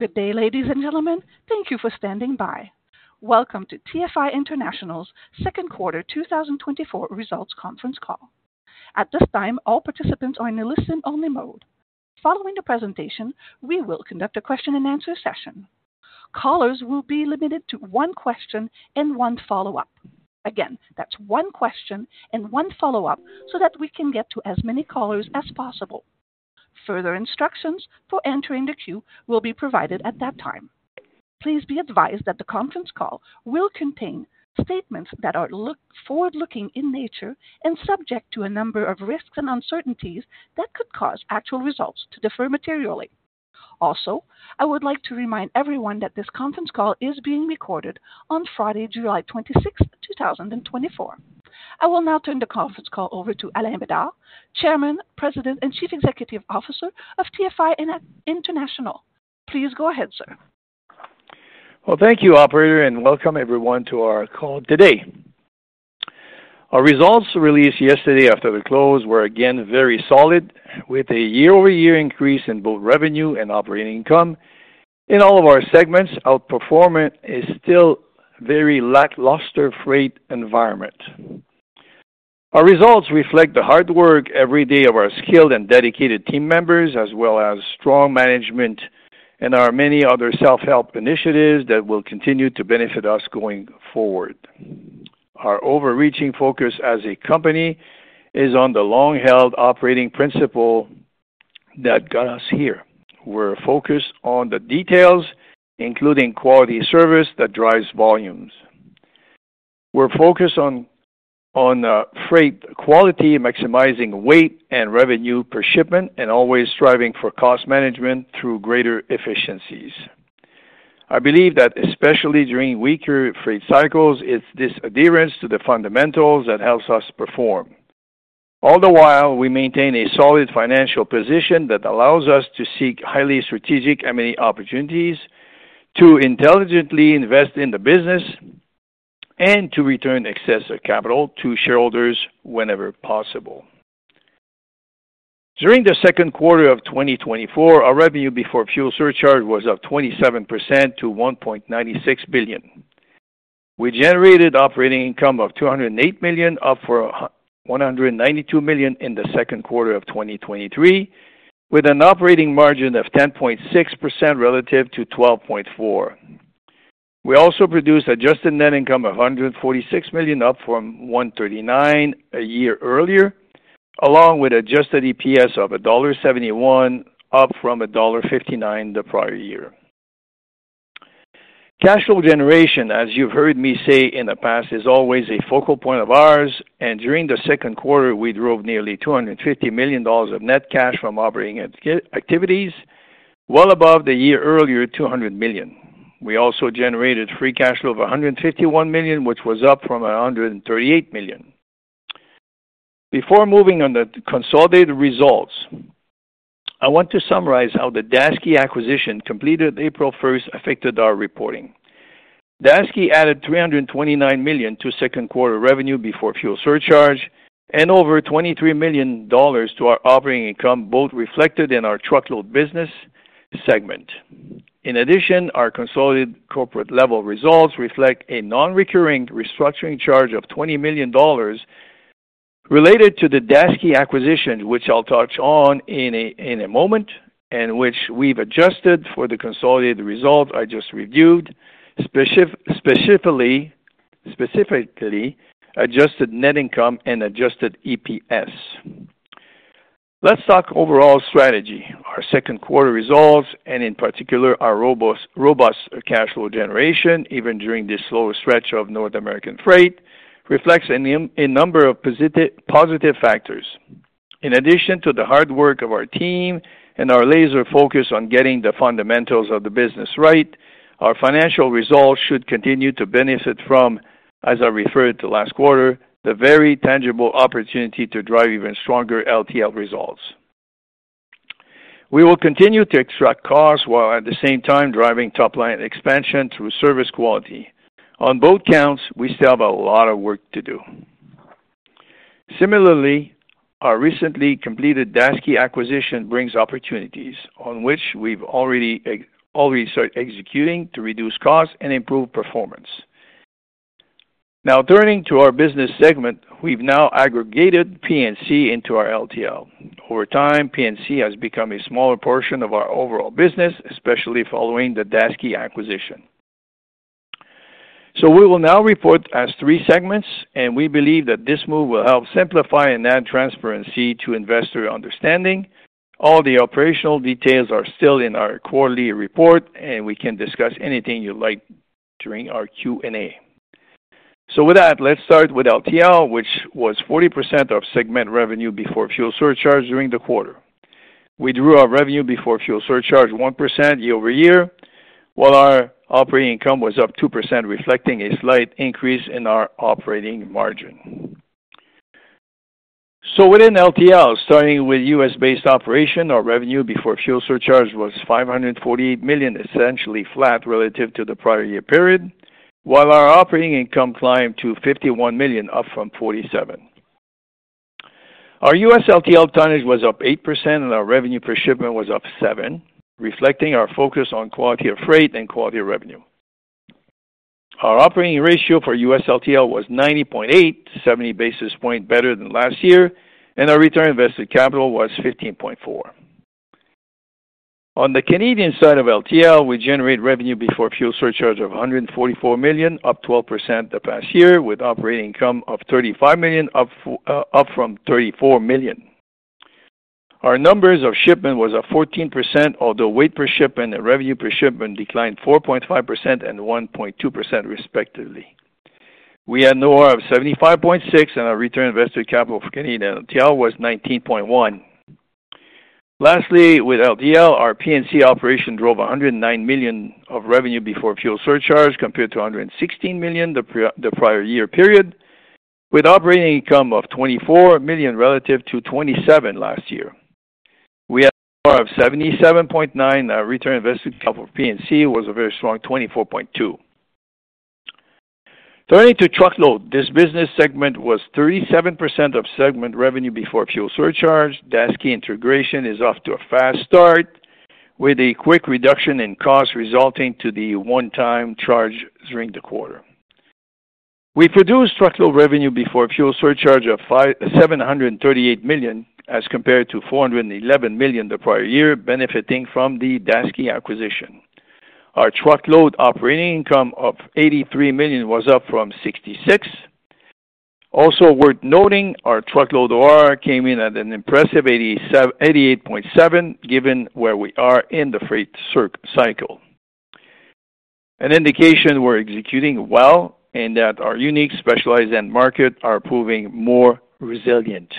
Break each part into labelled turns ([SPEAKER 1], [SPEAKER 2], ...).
[SPEAKER 1] Good day, ladies and gentlemen. Thank you for standing by. Welcome to TFI International's second quarter 2024 results conference call. At this time, all participants are in a listen-only mode. Following the presentation, we will conduct a question-and-answer session. Callers will be limited to one question and one follow-up. Again, that's one question and one follow-up so that we can get to as many callers as possible. Further instructions for entering the queue will be provided at that time. Please be advised that the conference call will contain statements that are forward-looking in nature and subject to a number of risks and uncertainties that could cause actual results to differ materially. Also, I would like to remind everyone that this conference call is being recorded on Friday, July 26th, 2024. I will now turn the conference call over to Alain Bédard, Chairman, President, and Chief Executive Officer of TFI International. Please go ahead, sir.
[SPEAKER 2] Well, thank you, Operator, and welcome everyone to our call today. Our results released yesterday after the close were again very solid, with a year-over-year increase in both revenue and operating income. In all of our segments, outperformance is still very lackluster for the environment. Our results reflect the hard work every day of our skilled and dedicated team members, as well as strong management and our many other self-help initiatives that will continue to benefit us going forward. Our overreaching focus as a company is on the long-held operating principle that got us here. We're focused on the details, including quality service that drives volumes. We're focused on freight quality, maximizing weight and revenue per shipment, and always striving for cost management through greater efficiencies. I believe that especially during weaker freight cycles, it's this adherence to the fundamentals that helps us perform. All the while, we maintain a solid financial position that allows us to seek highly strategic M&A opportunities, to intelligently invest in the business, and to return excess capital to shareholders whenever possible. During the second quarter of 2024, our revenue before fuel surcharge was up 27% to $1.96 billion. We generated operating income of $208 million, up from $192 million in the second quarter of 2023, with an operating margin of 10.6% relative to 12.4%. We also produced adjusted net income of $146 million, up from $139 million a year earlier, along with adjusted EPS of $1.71, up from $1.59 the prior year. Cash flow generation, as you've heard me say in the past, is always a focal point of ours, and during the second quarter, we drove nearly $250 million of net cash from operating activities, well above the year earlier's $200 million. We also generated free cash flow of $151 million, which was up from $138 million. Before moving on to consolidated results, I want to summarize how the Daseke acquisition completed April 1st affected our reporting. Daseke added $329 million to second quarter revenue before fuel surcharge and over $23 million to our operating income, both reflected in our truckload business segment. In addition, our consolidated corporate-level results reflect a non-recurring restructuring charge of $20 million related to the Daseke acquisition, which I'll touch on in a moment, and which we've adjusted for the consolidated result I just reviewed, specifically adjusted net income and adjusted EPS. Let's talk overall strategy. Our second quarter results, and in particular, our robust cash flow generation, even during this slower stretch of North American freight, reflects a number of positive factors. In addition to the hard work of our team and our laser focus on getting the fundamentals of the business right, our financial results should continue to benefit from, as I referred to last quarter, the very tangible opportunity to drive even stronger LTL results. We will continue to extract costs while at the same time driving top-line expansion through service quality. On both counts, we still have a lot of work to do. Similarly, our recently completed Daseke acquisition brings opportunities on which we've already started executing to reduce costs and improve performance. Now, turning to our business segment, we've now aggregated P&C into our LTL. Over time, P&C has become a smaller portion of our overall business, especially following the Daseke acquisition. So we will now report as three segments, and we believe that this move will help simplify and add transparency to investor understanding. All the operational details are still in our quarterly report, and we can discuss anything you'd like during our Q&A. So with that, let's start with LTL, which was 40% of segment revenue before fuel surcharge during the quarter. We grew our revenue before fuel surcharge 1% year-over-year, while our operating income was up 2%, reflecting a slight increase in our operating margin. So within LTL, starting with U.S. based operation, our revenue before fuel surcharge was $548 million, essentially flat relative to the prior year period, while our operating income climbed to $51 million, up from $47. Our U.S. LTL tonnage was up 8%, and our revenue per shipment was up 7%, reflecting our focus on quality of freight and quality of revenue. Our operating ratio for U.S. LTL was 90.8%, 70 basis points better than last year, and our return on invested capital was 15.4%. On the Canadian side of LTL, we generated revenue before fuel surcharge of $144 million, up 12% the past year, with operating income of $35 million, up from $34 million. Our numbers of shipment was up 14%, although weight per shipment and revenue per shipment declined 4.5% and 1.2% respectively. We had an OR of 75.6, and our return on invested capital for Canadian LTL was 19.1. Lastly, with LTL, our P&C operation drove $109 million of revenue before fuel surcharge compared to $116 million the prior year period, with operating income of $24 million relative to $27 last year. We had an OR of 77.9, and our return on invested capital for P&C was a very strong 24.2. Turning to truckload, this business segment was 37% of segment revenue before fuel surcharge. Daseke integration is off to a fast start, with a quick reduction in costs resulting in the one-time charge during the quarter. We produced truckload revenue before fuel surcharge of $738 million as compared to $411 million the prior year, benefiting from the Daseke acquisition. Our truckload operating income of $83 million was up from $66 million. Also, worth noting, our truckload OR came in at an impressive 88.7% given where we are in the freight cycle, an indication we're executing well and that our unique specialized end markets are proving more resilient.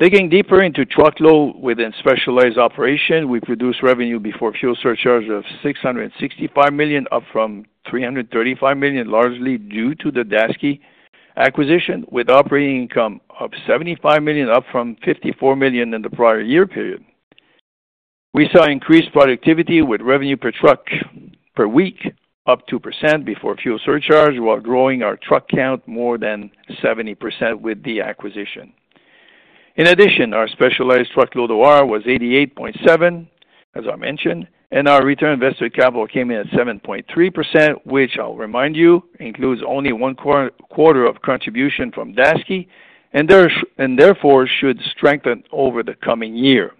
[SPEAKER 2] Digging deeper into truckload within specialized operation, we produced revenue before fuel surcharge of $665 million, up from $335 million, largely due to the Daseke acquisition, with operating income of $75 million, up from $54 million in the prior year period. We saw increased productivity with revenue per truck per week, up 2% before fuel surcharge, while growing our truck count more than 70% with the acquisition. In addition, our specialized truckload OR was 88.7, as I mentioned, and our return on invested capital came in at 7.3%, which, I'll remind you, includes only one quarter of contribution from Daseke and therefore should strengthen over the coming year.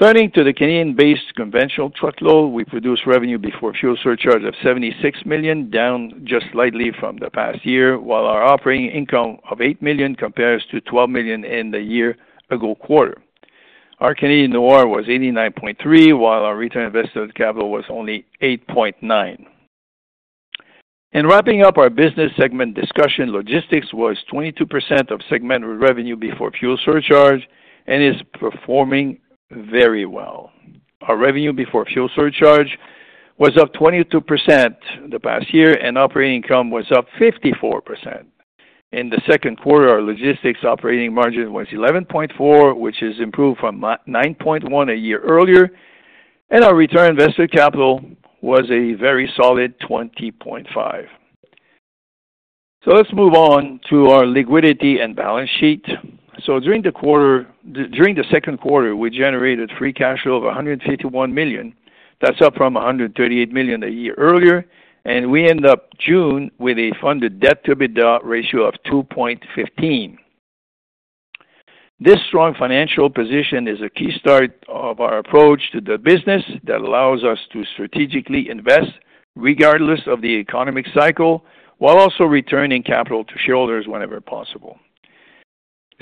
[SPEAKER 2] Turning to the Canadian-based conventional truckload, we produced revenue before fuel surcharge of $76 million, down just slightly from the past year, while our operating income of $8 million compares to $12 million in the year-ago quarter. Our Canadian OR was 89.3, while our return on invested capital was only 8.9%. In wrapping up our business segment discussion, logistics was 22% of segment revenue before fuel surcharge and is performing very well. Our revenue before fuel surcharge was up 22% the past year, and operating income was up 54%. In the second quarter, our logistics operating margin was 11.4, which is improved from 9.1 a year earlier, and our return on invested capital was a very solid 20.5. So let's move on to our liquidity and balance sheet. During the second quarter, we generated free cash flow of $151 million. That's up from $138 million a year earlier, and we ended June with a funded debt-to-EBITDA ratio of 2.15. This strong financial position is a key part of our approach to the business that allows us to strategically invest regardless of the economic cycle, while also returning capital to shareholders whenever possible.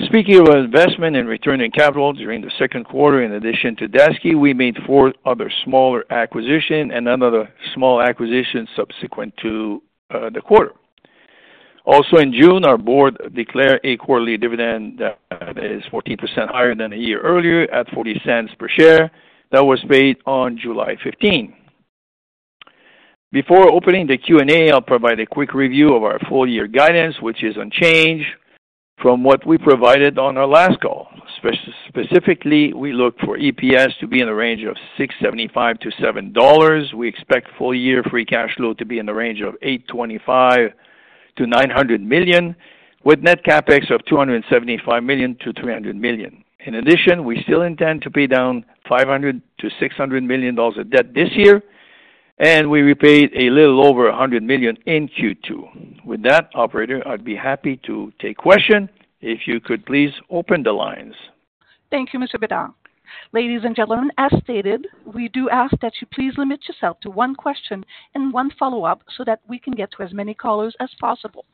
[SPEAKER 2] Speaking of investment and return on capital during the second quarter, in addition to Daseke, we made four other smaller acquisitions and another small acquisition subsequent to the quarter. Also, in June, our board declared a quarterly dividend that is 14% higher than a year earlier at $0.40 per share that was paid on July 15. Before opening the Q&A, I'll provide a quick review of our full-year guidance, which is unchanged from what we provided on our last call. Specifically, we look for EPS to be in the range of $6.75-$7. We expect full-year free cash flow to be in the range of $825 million-$900 million, with net CapEx of $275 million-$300 million. In addition, we still intend to pay down $500 million-$600 million of debt this year, and we repaid a little over $100 million in Q2. With that, Operator, I'd be happy to take questions. If you could please open the lines.
[SPEAKER 1] Thank you, Mr. Bédard. Ladies and gentlemen, as stated, we do ask that you please limit yourself to one question and one follow-up so that we can get to as many callers as possible.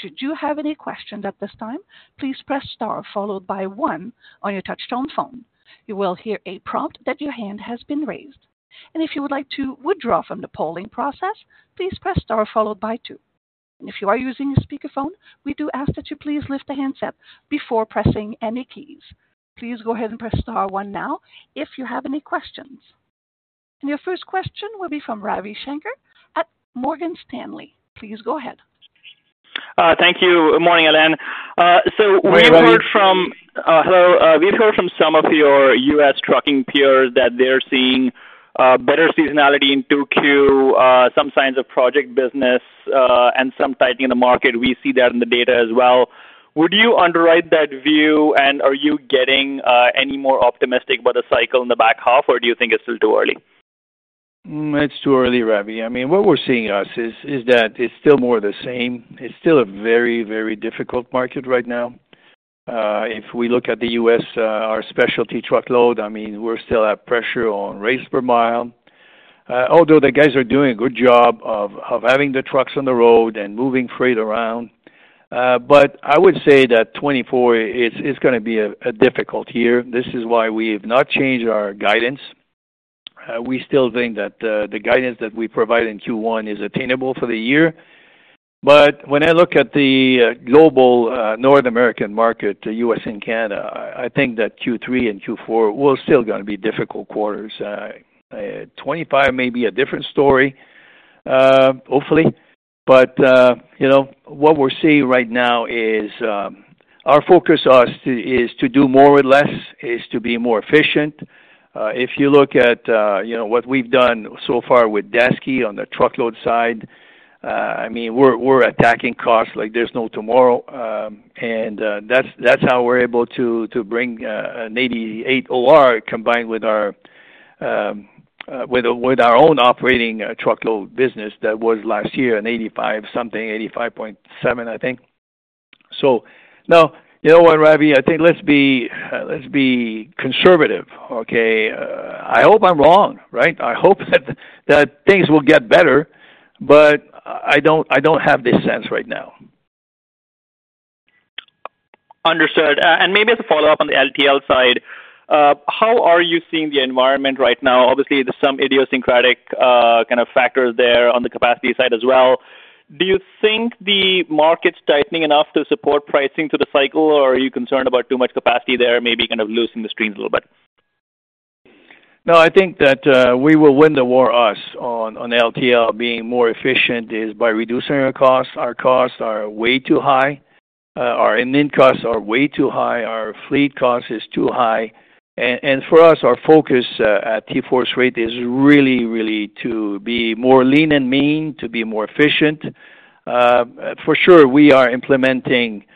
[SPEAKER 1] Should you have any questions at this time, please press star followed by one on your touch-tone phone. You will hear a prompt that your hand has been raised. And if you would like to withdraw from the polling process, please press star followed by two. And if you are using your speakerphone, we do ask that you please lift the handset before pressing any keys. Please go ahead and press star one now if you have any questions. And your first question will be from Ravi Shanker at Morgan Stanley. Please go ahead.
[SPEAKER 3] Thank you. Good morning, Alain. So we've heard from some of your U.S. trucking peers that they're seeing better seasonality in truckload, some signs of project business, and some tightening in the market. We see that in the data as well. Would you underwrite that view, and are you getting any more optimistic about the cycle in the back half, or do you think it's still too early?
[SPEAKER 2] It's too early, Ravi. I mean, what we're seeing is that it's still more of the same. It's still a very, very difficult market right now. If we look at the U.S., our specialty truckload, I mean, we're still at pressure on rates per mile, although the guys are doing a good job of having the trucks on the road and moving freight around. But I would say that 2024 is going to be a difficult year. This is why we have not changed our guidance. We still think that the guidance that we provide in Q1 is attainable for the year. But when I look at the global North American market, the U.S. and Canada, I think that Q3 and Q4 will still going to be difficult quarters. 2025 may be a different story, hopefully. But what we're seeing right now is our focus is to do more with less, is to be more efficient. If you look at what we've done so far with Daseke on the truckload side, I mean, we're attacking costs like there's no tomorrow. And that's how we're able to bring an 88 OR combined with our own operating truckload business that was last year an 85 something, 85.7, I think. So now, you know what, Ravi? I think let's be conservative, okay? I hope I'm wrong, right? I hope that things will get better, but I don't have this sense right now.
[SPEAKER 3] Understood. And maybe as a follow-up on the LTL side, how are you seeing the environment right now? Obviously, there's some idiosyncratic kind of factors there on the capacity side as well. Do you think the market's tightening enough to support pricing through the cycle, or are you concerned about too much capacity there maybe kind of losing the streams a little bit?
[SPEAKER 2] No, I think that we will win the war on LTL being more efficient is by reducing our costs. Our costs are way too high. Our admin costs are way too high. Our fleet cost is too high. For us, our focus at TForce Freight is really, really to be more lean and mean, to be more efficient. For sure, we are implementing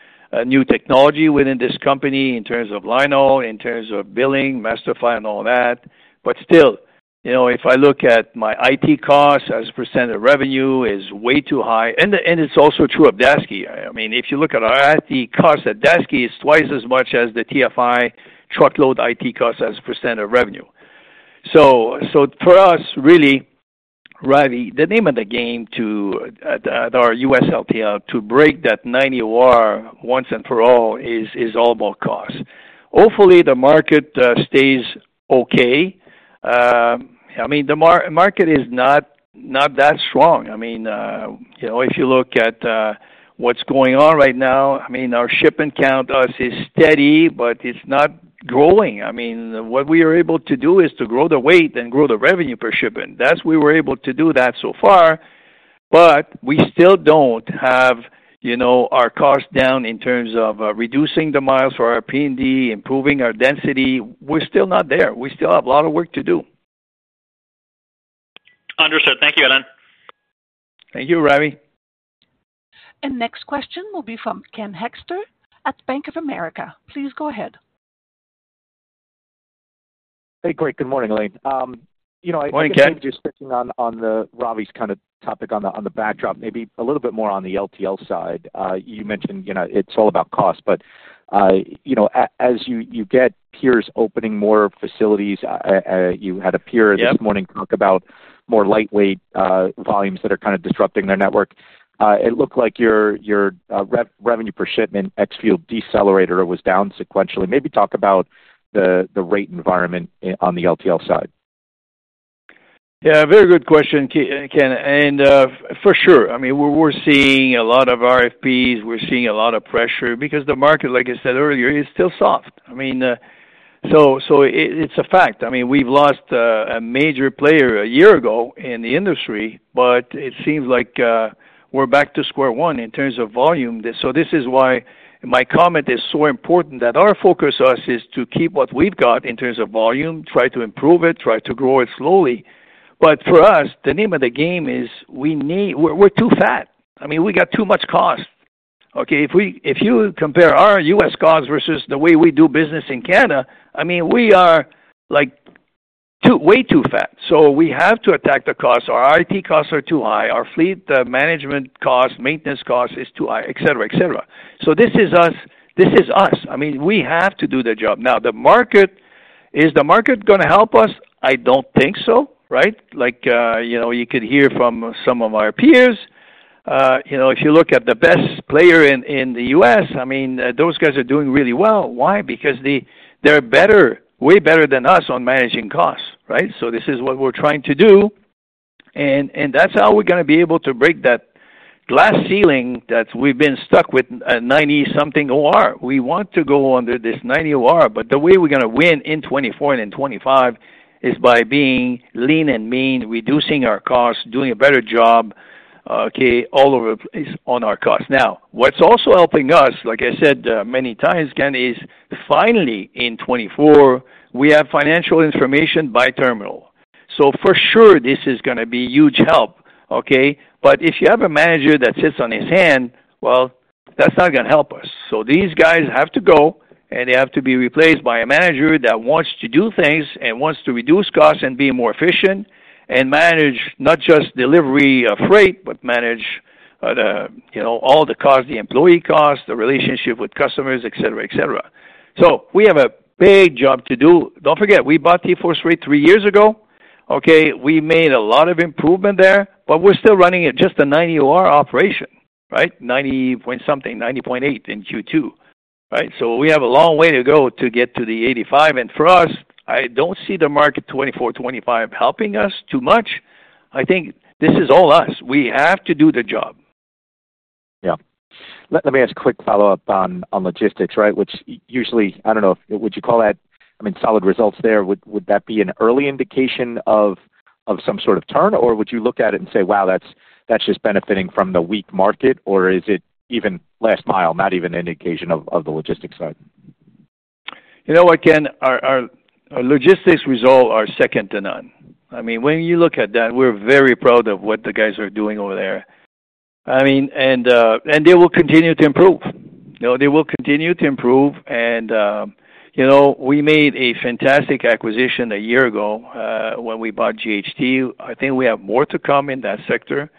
[SPEAKER 2] new technology within this company in terms of linehaul, in terms of billing, master file, and all that. But still, if I look at my IT costs as % of revenue is way too high. It's also true of Daseke. I mean, if you look at our IT costs at Daseke, it's twice as much as the TFI truckload IT costs as % of revenue. So for us, really, Ravi, the name of the game at our U.S. LTL to break that 90 OR once and for all is all about costs. Hopefully, the market stays okay. I mean, the market is not that strong. I mean, if you look at what's going on right now, I mean, our shipment count is steady, but it's not growing. I mean, what we are able to do is to grow the weight and grow the revenue per shipment. That's what we were able to do that so far. But we still don't have our costs down in terms of reducing the miles for our P&D, improving our density. We're still not there. We still have a lot of work to do.
[SPEAKER 3] Understood. Thank you, Alain.
[SPEAKER 2] Thank you, Ravi.
[SPEAKER 1] Next question will be from Ken Hoexter at Bank of America. Please go ahead.
[SPEAKER 4] Hey, Greg. Good morning, Alain. I think you're sticking on Ravi's kind of topic on the backdrop, maybe a little bit more on the LTL side. You mentioned it's all about costs. But as you get peers opening more facilities, you had a peer this morning talk about more lightweight volumes that are kind of disrupting their network. It looked like your revenue per shipment ex-fuel surcharge was down sequentially. Maybe talk about the rate environment on the LTL side.
[SPEAKER 2] Yeah, very good question, Ken. And for sure, I mean, we're seeing a lot of RFPs. We're seeing a lot of pressure because the market, like I said earlier, is still soft. I mean, so it's a fact. I mean, we've lost a major player a year ago in the industry, but it seems like we're back to square one in terms of volume. So this is why my comment is so important that our focus is to keep what we've got in terms of volume, try to improve it, try to grow it slowly. But for us, the name of the game is we're too fat. I mean, we got too much cost. Okay? If you compare our U.S. costs versus the way we do business in Canada, I mean, we are way too fat. So we have to attack the costs. Our IT costs are too high. Our fleet management costs, maintenance costs is too high, etc., etc. So this is us. This is us. I mean, we have to do the job. Now, is the market going to help us? I don't think so, right? Like you could hear from some of our peers. If you look at the best player in the U.S., I mean, those guys are doing really well. Why? Because they're way better than us on managing costs, right? So this is what we're trying to do. And that's how we're going to be able to break that glass ceiling that we've been stuck with 90-something OR. We want to go under this 90 OR. But the way we're going to win in 2024 and in 2025 is by being lean and mean, reducing our costs, doing a better job, okay, all over the place on our costs. Now, what's also helping us, like I said many times, Ken, is finally in 2024, we have financial information by terminal. So for sure, this is going to be a huge help, okay? But if you have a manager that sits on his hand, well, that's not going to help us. So these guys have to go, and they have to be replaced by a manager that wants to do things and wants to reduce costs and be more efficient and manage not just delivery of freight, but manage all the costs, the employee costs, the relationship with customers, etc., etc. So we have a big job to do. Don't forget, we bought TFI National Caspar Coppetti three years ago. Okay? We made a lot of improvement there, but we're still running just a 90 OR operation, right? 90.8 in Q2, right? We have a long way to go to get to the 85. For us, I don't see the market 2024, 2025 helping us too much. I think this is all us. We have to do the job.
[SPEAKER 4] Yeah. Let me ask a quick follow-up on logistics, right? Which usually, I don't know, would you call that, I mean, solid results there? Would that be an early indication of some sort of turn, or would you look at it and say, "Wow, that's just benefiting from the weak market," or is it even last mile, not even an indication of the logistics side?
[SPEAKER 2] You know what, Ken? Our logistics results are second to none. I mean, when you look at that, we're very proud of what the guys are doing over there. I mean, and they will continue to improve. They will continue to improve. And we made a fantastic acquisition a year ago when we bought JHT. I think we have more to come in that sector,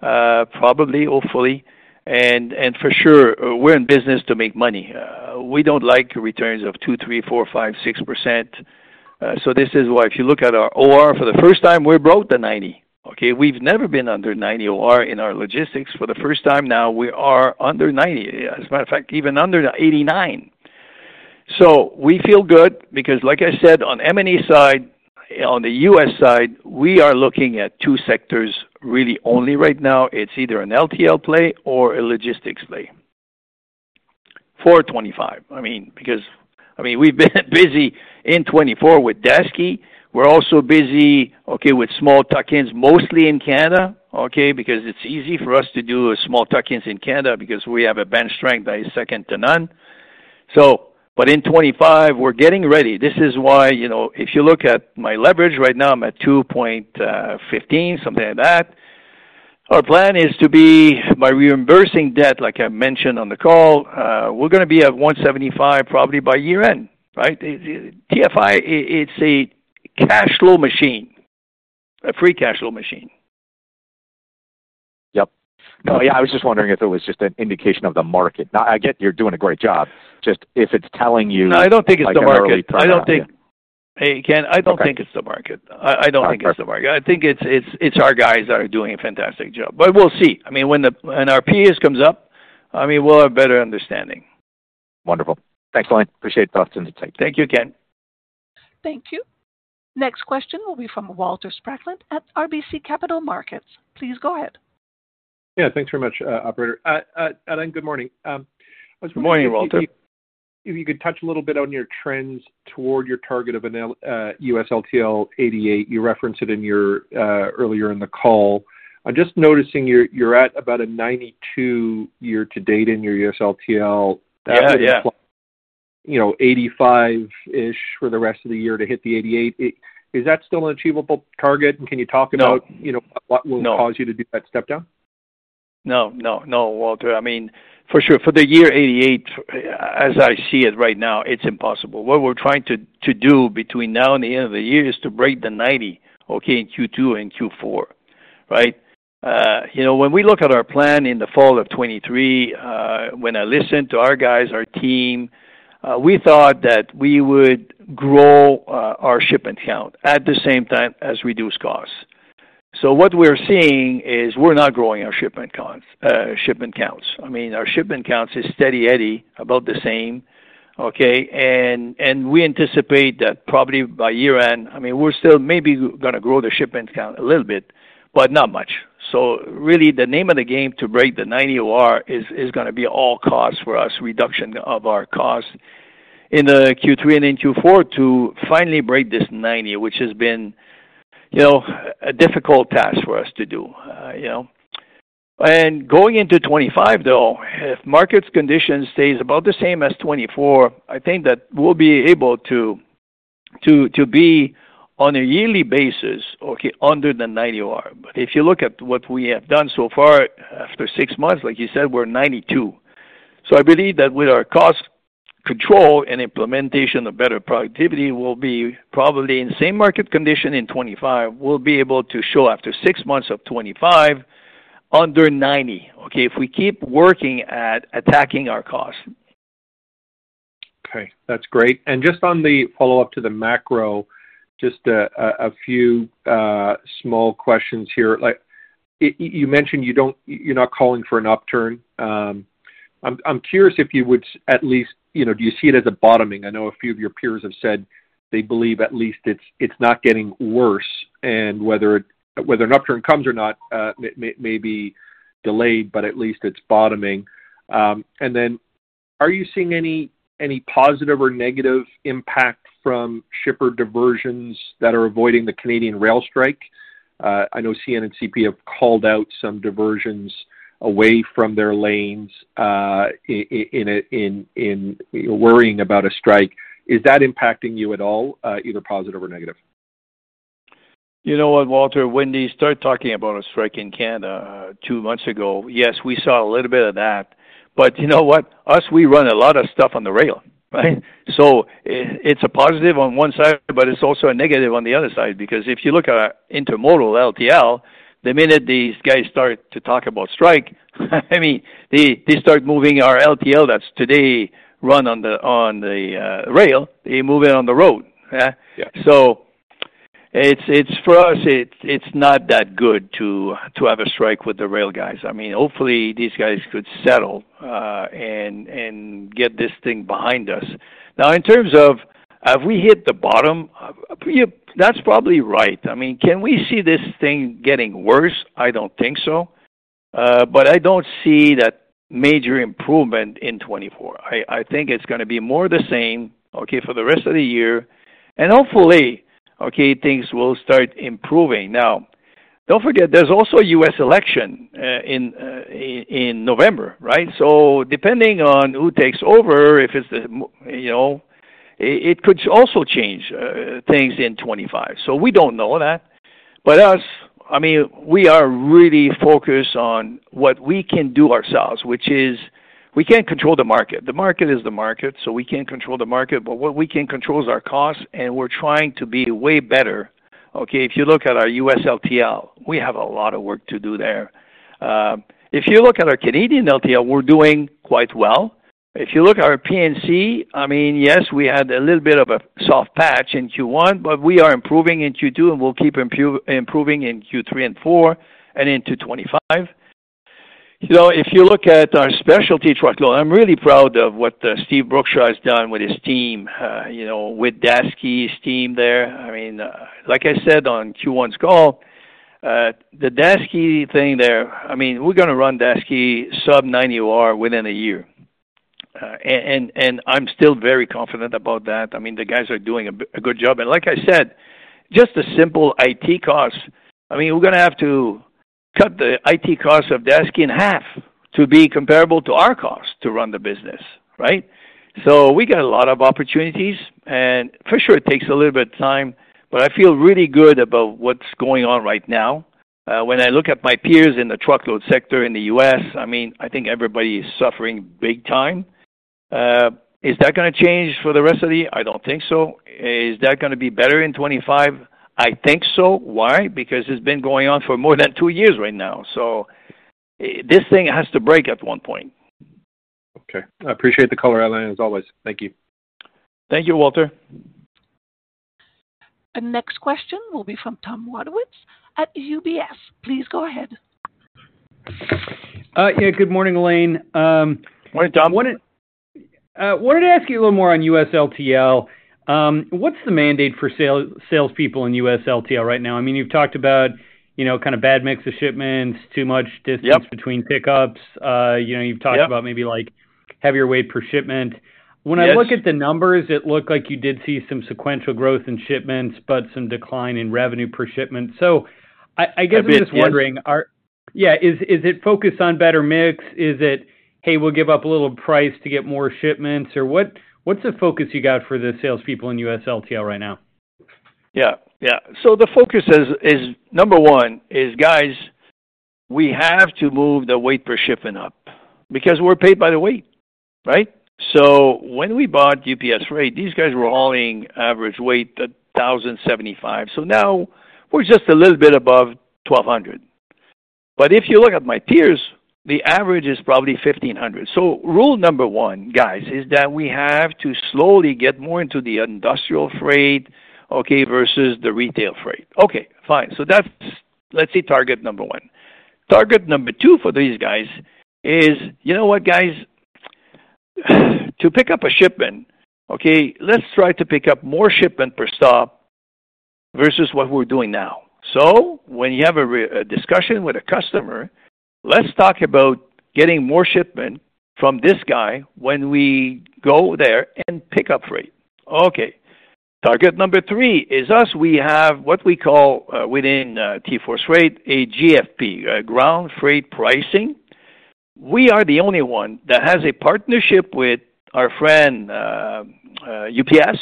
[SPEAKER 2] probably, hopefully. And for sure, we're in business to make money. We don't like returns of 2%, 3%, 4%, 5%, 6%. So this is why if you look at our OR for the first time, we broke the 90. Okay? We've never been under 90 OR in our logistics. For the first time now, we are under 90. As a matter of fact, even under 89. So we feel good because, like I said, on M&E side, on the U.S. side, we are looking at two sectors really only right now. It's either an LTL play or a logistics play for 2025. I mean, because I mean, we've been busy in 2024 with Daseke. We're also busy, okay, with small tuck-ins, mostly in Canada, okay, because it's easy for us to do small tuck-ins in Canada because we have a bench strength that is second to none. But in 2025, we're getting ready. This is why if you look at my leverage right now, I'm at 2.15, something like that. Our plan is to be by reimbursing debt, like I mentioned on the call, we're going to be at 1.75 probably by year-end, right? TFI, it's a cash flow machine, a free cash flow machine.
[SPEAKER 4] Yep. No, yeah, I was just wondering if it was just an indication of the market. I get you're doing a great job. Just if it's telling you the real stuff.
[SPEAKER 2] No, I don't think it's the market. I don't think, Ken, I don't think it's the market. I don't think it's the market. I think it's our guys that are doing a fantastic job. But we'll see. I mean, when our peers come up, I mean, we'll have a better understanding.
[SPEAKER 4] Wonderful. Thanks, Alain. Appreciate the thoughts and insight.
[SPEAKER 2] Thank you, Ken.
[SPEAKER 1] Thank you. Next question will be from Walter Spracklin at RBC Capital Markets. Please go ahead.
[SPEAKER 5] Yeah, thanks very much, Operator. Alain, good morning. I was wondering.
[SPEAKER 2] Good morning, Walter.
[SPEAKER 5] If you could touch a little bit on your trends toward your target of a U.S. LTL 88%. You referenced it earlier in the call. I'm just noticing you're at about a 92% year to date in your U.S. LTL. That would imply 85%-ish for the rest of the year to hit the 88%. Is that still an achievable target, and can you talk about what will cause you to do that step down?
[SPEAKER 2] No, no, no, Walter. I mean, for sure, for the year 2024, as I see it right now, it's impossible. What we're trying to do between now and the end of the year is to break the 90, okay, in Q2 and Q4, right? When we look at our plan in the fall of 2023, when I listened to our guys, our team, we thought that we would grow our shipment count at the same time as reduce costs. So what we're seeing is we're not growing our shipment counts. I mean, our shipment counts is steady, Eddie, about the same, okay? And we anticipate that probably by year-end, I mean, we're still maybe going to grow the shipment count a little bit, but not much. So really, the name of the game to break the 90 OR is going to be all costs for us, reduction of our costs in the Q3 and in Q4 to finally break this 90, which has been a difficult task for us to do. And going into 2025, though, if market condition stays about the same as 2024, I think that we'll be able to be on a yearly basis, okay, under the 90 OR. But if you look at what we have done so far, after six months, like you said, we're 92. So I believe that with our cost control and implementation of better productivity, we'll be probably in same market condition in 2025. We'll be able to show after six months of 2025 under 90, okay, if we keep working at attacking our costs.
[SPEAKER 5] Okay. That's great. And just on the follow-up to the macro, just a few small questions here. You mentioned you're not calling for an upturn. I'm curious if you would at least, do you see it as a bottoming? I know a few of your peers have said they believe at least it's not getting worse, and whether an upturn comes or not may be delayed, but at least it's bottoming. And then are you seeing any positive or negative impact from shipper diversions that are avoiding the Canadian Rail strike? I know CN and CP have called out some diversions away from their lanes in worrying about a strike. Is that impacting you at all, either positive or negative?
[SPEAKER 2] You know what, Walter? When they started talking about a strike in Canada two months ago, yes, we saw a little bit of that. But you know what? Us, we run a lot of stuff on the rail, right? So it's a positive on one side, but it's also a negative on the other side because if you look at Intermodal LTL, the minute these guys start to talk about strike, I mean, they start moving our LTL that's today run on the rail, they move it on the road. So for us, it's not that good to have a strike with the rail guys. I mean, hopefully, these guys could settle and get this thing behind us. Now, in terms of have we hit the bottom? That's probably right. I mean, can we see this thing getting worse? I don't think so. But I don't see that major improvement in 2024. I think it's going to be more the same, okay, for the rest of the year. And hopefully, okay, things will start improving. Now, don't forget, there's also a U.S. election in November, right? So depending on who takes over, if it's the it could also change things in 2025. So we don't know that. But us, I mean, we are really focused on what we can do ourselves, which is we can't control the market. The market is the market, so we can't control the market. But what we can control is our costs, and we're trying to be way better. Okay? If you look at our U.S. LTL, we have a lot of work to do there. If you look at our Canadian LTL, we're doing quite well. If you look at our P&C, I mean, yes, we had a little bit of a soft patch in Q1, but we are improving in Q2, and we'll keep improving in Q3 and Q4 and into 2025. If you look at our specialty truckload, I'm really proud of what Steve Brookshaw has done with his team, with Daseke's team there. I mean, like I said on Q1's call, the Daseke thing there, I mean, we're going to run Daseke sub-90 OR within a year. And I'm still very confident about that. I mean, the guys are doing a good job. And like I said, just the simple IT costs, I mean, we're going to have to cut the IT costs of Daseke in half to be comparable to our costs to run the business, right? So we got a lot of opportunities. For sure, it takes a little bit of time, but I feel really good about what's going on right now. When I look at my peers in the truckload sector in the U.S., I mean, I think everybody is suffering big time. Is that going to change for the rest of the year? I don't think so. Is that going to be better in 2025? I think so. Why? Because it's been going on for more than two years right now. So this thing has to break at one point.
[SPEAKER 5] Okay. I appreciate the color outline, as always. Thank you.
[SPEAKER 2] Thank you, Walter.
[SPEAKER 1] Next question will be from Tom Wadewitz at UBS. Please go ahead.
[SPEAKER 6] Yeah. Good morning, Alain.
[SPEAKER 2] Morning, Tom.
[SPEAKER 6] I wanted to ask you a little more on U.S. LTL. What's the mandate for salespeople in U.S. LTL right now? I mean, you've talked about kind of bad mix of shipments, too much distance between pickups. You've talked about maybe heavier weight per shipment. When I look at the numbers, it looked like you did see some sequential growth in shipments, but some decline in revenue per shipment. So I guess I'm just wondering, yeah, is it focused on better mix? Is it, "Hey, we'll give up a little price to get more shipments"? Or what's the focus you got for the salespeople in U.S. LTL right now?
[SPEAKER 2] Yeah. Yeah. So the focus is, number one, is guys, we have to move the weight per shipment up because we're paid by the weight, right? So when we bought UPS Freight, these guys were hauling average weight 1,075. So now we're just a little bit above 1,200. But if you look at my peers, the average is probably 1,500. So rule number one, guys, is that we have to slowly get more into the industrial freight, okay, versus the retail freight. Okay. Fine. So that's, let's say, target number one. Target number two for these guys is, you know what, guys? To pick up a shipment, okay, let's try to pick up more shipment per stop versus what we're doing now. So when you have a discussion with a customer, let's talk about getting more shipment from this guy when we go there and pick up freight. Okay. Target number three is us. We have what we call within TForce Freight, a GFP, Ground Freight Pricing. We are the only one that has a partnership with our friend UPS.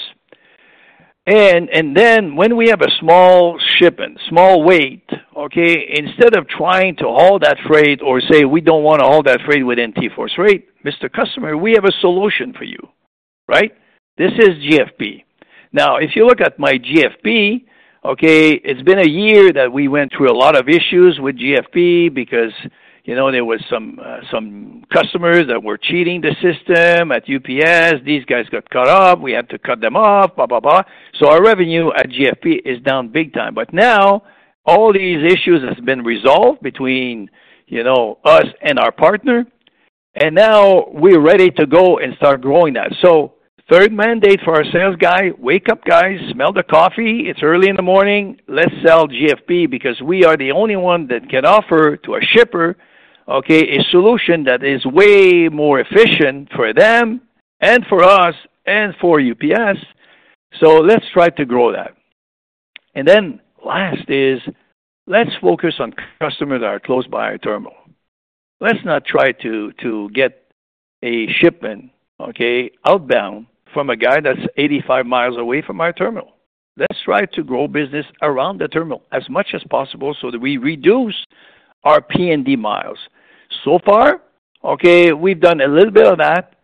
[SPEAKER 2] And then when we have a small shipment, small weight, okay, instead of trying to haul that freight or say, "We don't want to haul that freight within TForce Freight," Mr. Customer, we have a solution for you, right? This is GFP. Now, if you look at my GFP, okay, it's been a year that we went through a lot of issues with GFP because there were some customers that were cheating the system at UPS. These guys got caught up. We had to cut them off, blah, blah, blah. So our revenue at GFP is down big time. But now all these issues have been resolved between us and our partner. And now we're ready to go and start growing that. So third mandate for our sales guy, wake up, guys, smell the coffee. It's early in the morning. Let's sell GFP because we are the only one that can offer to a shipper, okay, a solution that is way more efficient for them and for us and for UPS. So let's try to grow that. And then last is let's focus on customers that are close by our terminal. Let's not try to get a shipment, okay, outbound from a guy that's 85 miles away from our terminal. Let's try to grow business around the terminal as much as possible so that we reduce our P&D miles. So far, okay, we've done a little bit of that,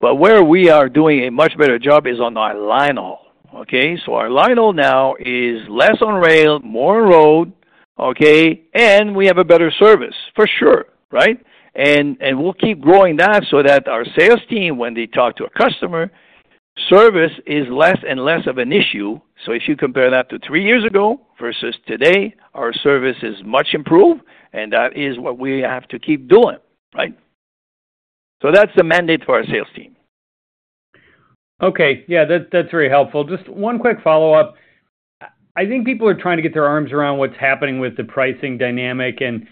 [SPEAKER 2] but where we are doing a much better job is on our linehaul, okay? Our linehaul now is less on rail, more on road, okay? We have a better service, for sure, right? We'll keep growing that so that our sales team, when they talk to a customer, service is less and less of an issue. If you compare that to three years ago versus today, our service is much improved, and that is what we have to keep doing, right? That's the mandate for our sales team.
[SPEAKER 6] Okay. Yeah, that's very helpful. Just one quick follow-up. I think people are trying to get their arms around what's happening with the pricing dynamic in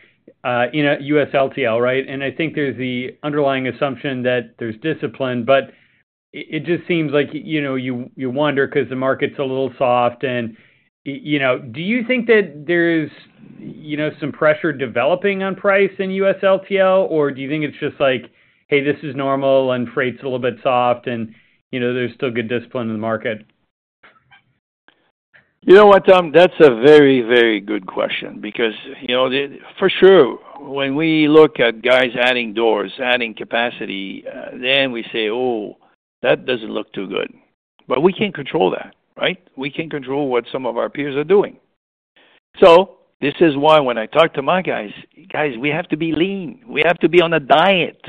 [SPEAKER 6] U.S. LTL, right? And I think there's the underlying assumption that there's discipline, but it just seems like you wonder because the market's a little soft. And do you think that there's some pressure developing on price in U.S. LTL, or do you think it's just like, "Hey, this is normal, and freight's a little bit soft, and there's still good discipline in the market"?
[SPEAKER 2] You know what, Tom? That's a very, very good question because for sure, when we look at guys adding doors, adding capacity, then we say, "Oh, that doesn't look too good." But we can't control that, right? We can't control what some of our peers are doing. So this is why when I talk to my guys, "Guys, we have to be lean. We have to be on a diet.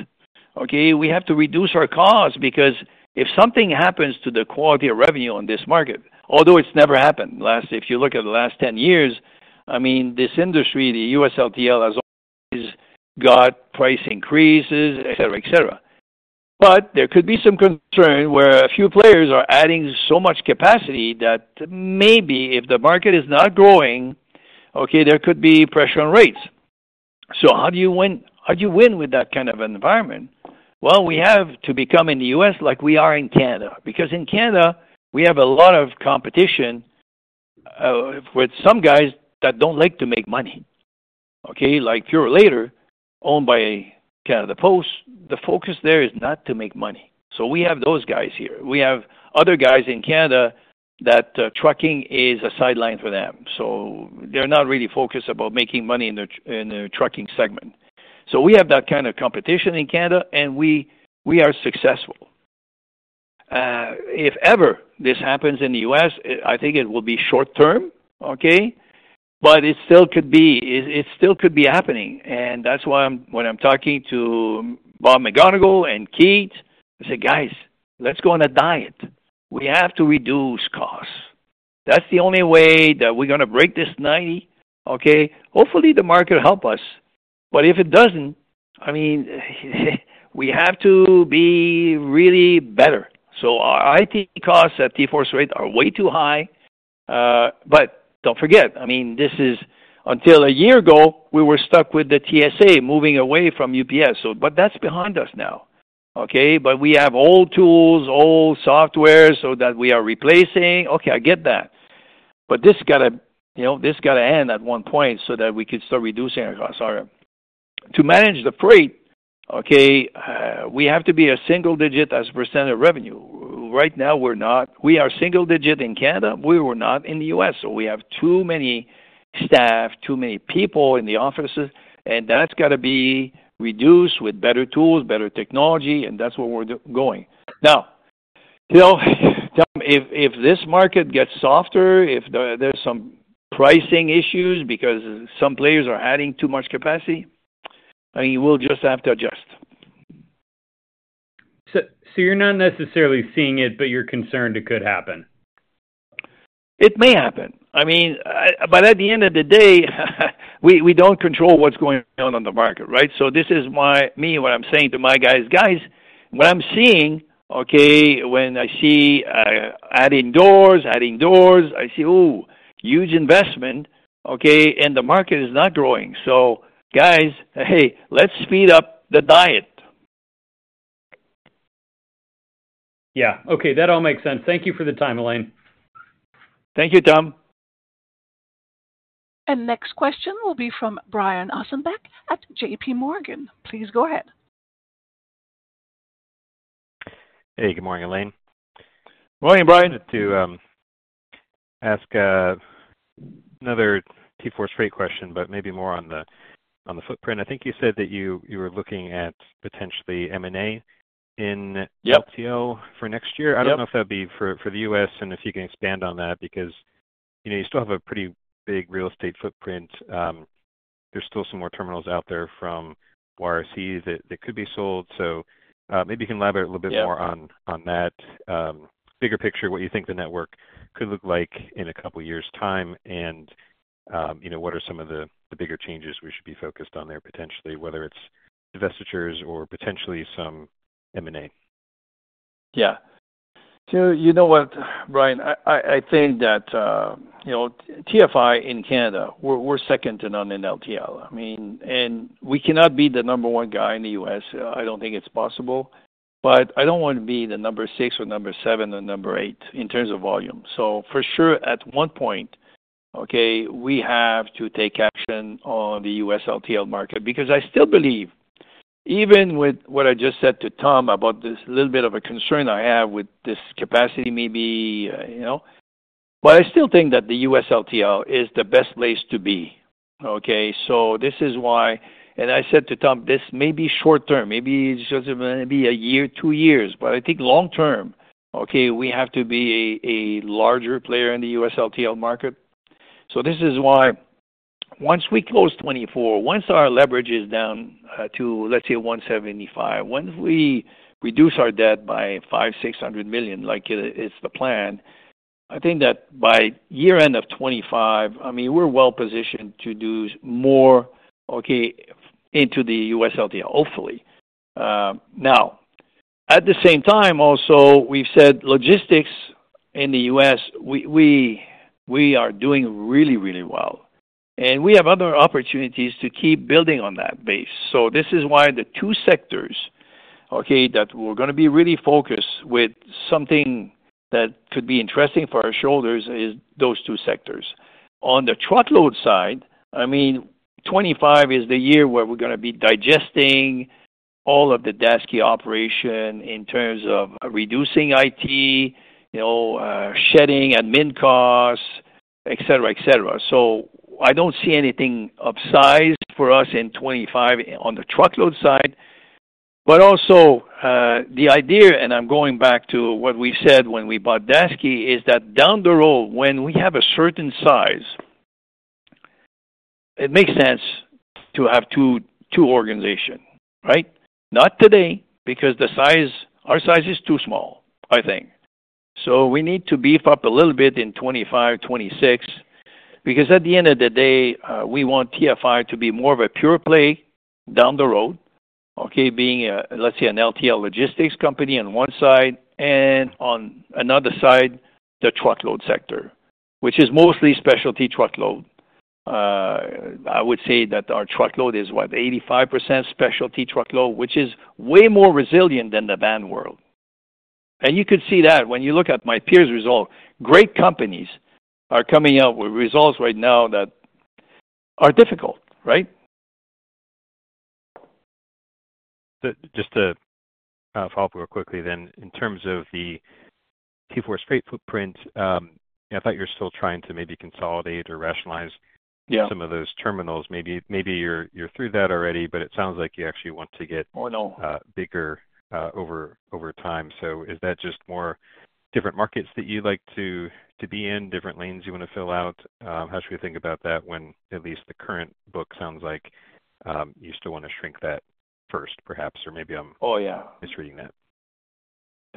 [SPEAKER 2] Okay? We have to reduce our costs because if something happens to the quality of revenue on this market, although it's never happened last, if you look at the last 10 years, I mean, this industry, the U.S. LTL has always got price increases, etc., etc. But there could be some concern where a few players are adding so much capacity that maybe if the market is not growing, okay, there could be pressure on rates. So how do you win with that kind of environment? Well, we have to become in the U.S. like we are in Canada because in Canada, we have a lot of competition with some guys that don't like to make money, okay, like Purolator, owned by Canada Post. The focus there is not to make money. So we have those guys here. We have other guys in Canada that trucking is a sideline for them. So they're not really focused about making money in the trucking segment. So we have that kind of competition in Canada, and we are successful. If ever this happens in the U.S., I think it will be short-term, okay? But it still could be happening. And that's why when I'm talking to Bob McGonigal and Keith, I say, "Guys, let's go on a diet. We have to reduce costs. That's the only way that we're going to break this 90, okay? Hopefully, the market will help us. But if it doesn't, I mean, we have to be really better. So our IT costs at TForce Freight are way too high. But don't forget, I mean, this is until a year ago, we were stuck with the TSA moving away from UPS. But that's behind us now, okay? But we have old tools, old software so that we are replacing. Okay, I get that. But this got to end at one point so that we could start reducing our costs. To manage the freight, okay, we have to be a single digit as a % of revenue. Right now, we're not. We are single digit in Canada. We were not in the U.S. So we have too many staff, too many people in the offices, and that's got to be reduced with better tools, better technology, and that's where we're going. Now, Tom, if this market gets softer, if there's some pricing issues because some players are adding too much capacity, I mean, we'll just have to adjust.
[SPEAKER 6] So you're not necessarily seeing it, but you're concerned it could happen?
[SPEAKER 2] It may happen. I mean, but at the end of the day, we don't control what's going on in the market, right? So this is why me and what I'm saying to my guys, "Guys, what I'm seeing, okay, when I see adding doors, adding doors, I see, oh, huge investment, okay, and the market is not growing. So guys, hey, let's speed up the diet.
[SPEAKER 6] Yeah. Okay. That all makes sense. Thank you for the time, Alain.
[SPEAKER 2] Thank you, Tom.
[SPEAKER 1] Next question will be from Brian Ossenbeck at JPMorgan. Please go ahead.
[SPEAKER 7] Hey, good morning, Alain.
[SPEAKER 2] Morning, Brian.
[SPEAKER 7] To ask another TForce Freight question, but maybe more on the footprint. I think you said that you were looking at potentially M&A in LTL for next year. I don't know if that would be for the U.S. and if you can expand on that because you still have a pretty big real estate footprint. There's still some more terminals out there from YRC that could be sold. So maybe you can elaborate a little bit more on that bigger picture, what you think the network could look like in a couple of years' time, and what are some of the bigger changes we should be focused on there potentially, whether it's divestitures or potentially some M&A?
[SPEAKER 2] Yeah. So you know what, Brian? I think that TFI in Canada, we're second to none in LTL. I mean, and we cannot be the number one guy in the U.S. I don't think it's possible. But I don't want to be the number six or number seven or number eight in terms of volume. So for sure, at one point, okay, we have to take action on the U.S. LTL market because I still believe, even with what I just said to Tom about this little bit of a concern I have with this capacity maybe, but I still think that the U.S. LTL is the best place to be. Okay? So this is why, and I said to Tom, this may be short-term. Maybe it's just going to be a year, two years. But I think long-term, okay, we have to be a larger player in the U.S. LTL market. So this is why once we close 2024, once our leverage is down to, let's say, 175, once we reduce our debt by $500 million-$600 million, like it's the plan, I think that by year-end of 2025, I mean, we're well-positioned to do more, okay, into the U.S. LTL, hopefully. Now, at the same time, also, we've said logistics in the U.S., we are doing really, really well. And we have other opportunities to keep building on that base. So this is why the two sectors, okay, that we're going to be really focused with something that could be interesting for our shareholders is those two sectors. On the truckload side, I mean, 2025 is the year where we're going to be digesting all of the Daseke operation in terms of reducing IT, shedding admin costs, etc., etc. So I don't see anything of size for us in 2025 on the truckload side. But also the idea, and I'm going back to what we said when we bought Daseke, is that down the road, when we have a certain size, it makes sense to have two organizations, right? Not today because our size is too small, I think. So we need to beef up a little bit in 2025, 2026 because at the end of the day, we want TFI to be more of a pure play down the road, okay, being, let's say, an LTL logistics company on one side and on another side, the truckload sector, which is mostly specialized truckload. I would say that our truckload is, what, 85% specialized truckload, which is way more resilient than the van world. And you could see that when you look at my peers' results. Great companies are coming out with results right now that are difficult, right?
[SPEAKER 7] Just to follow up real quickly then, in terms of the TForce Freight footprint, I thought you were still trying to maybe consolidate or rationalize some of those terminals. Maybe you're through that already, but it sounds like you actually want to get bigger over time. So is that just more different markets that you like to be in, different lanes you want to fill out? How should we think about that when at least the current book sounds like you still want to shrink that first, perhaps, or maybe I'm misreading that?
[SPEAKER 2] Oh, yeah.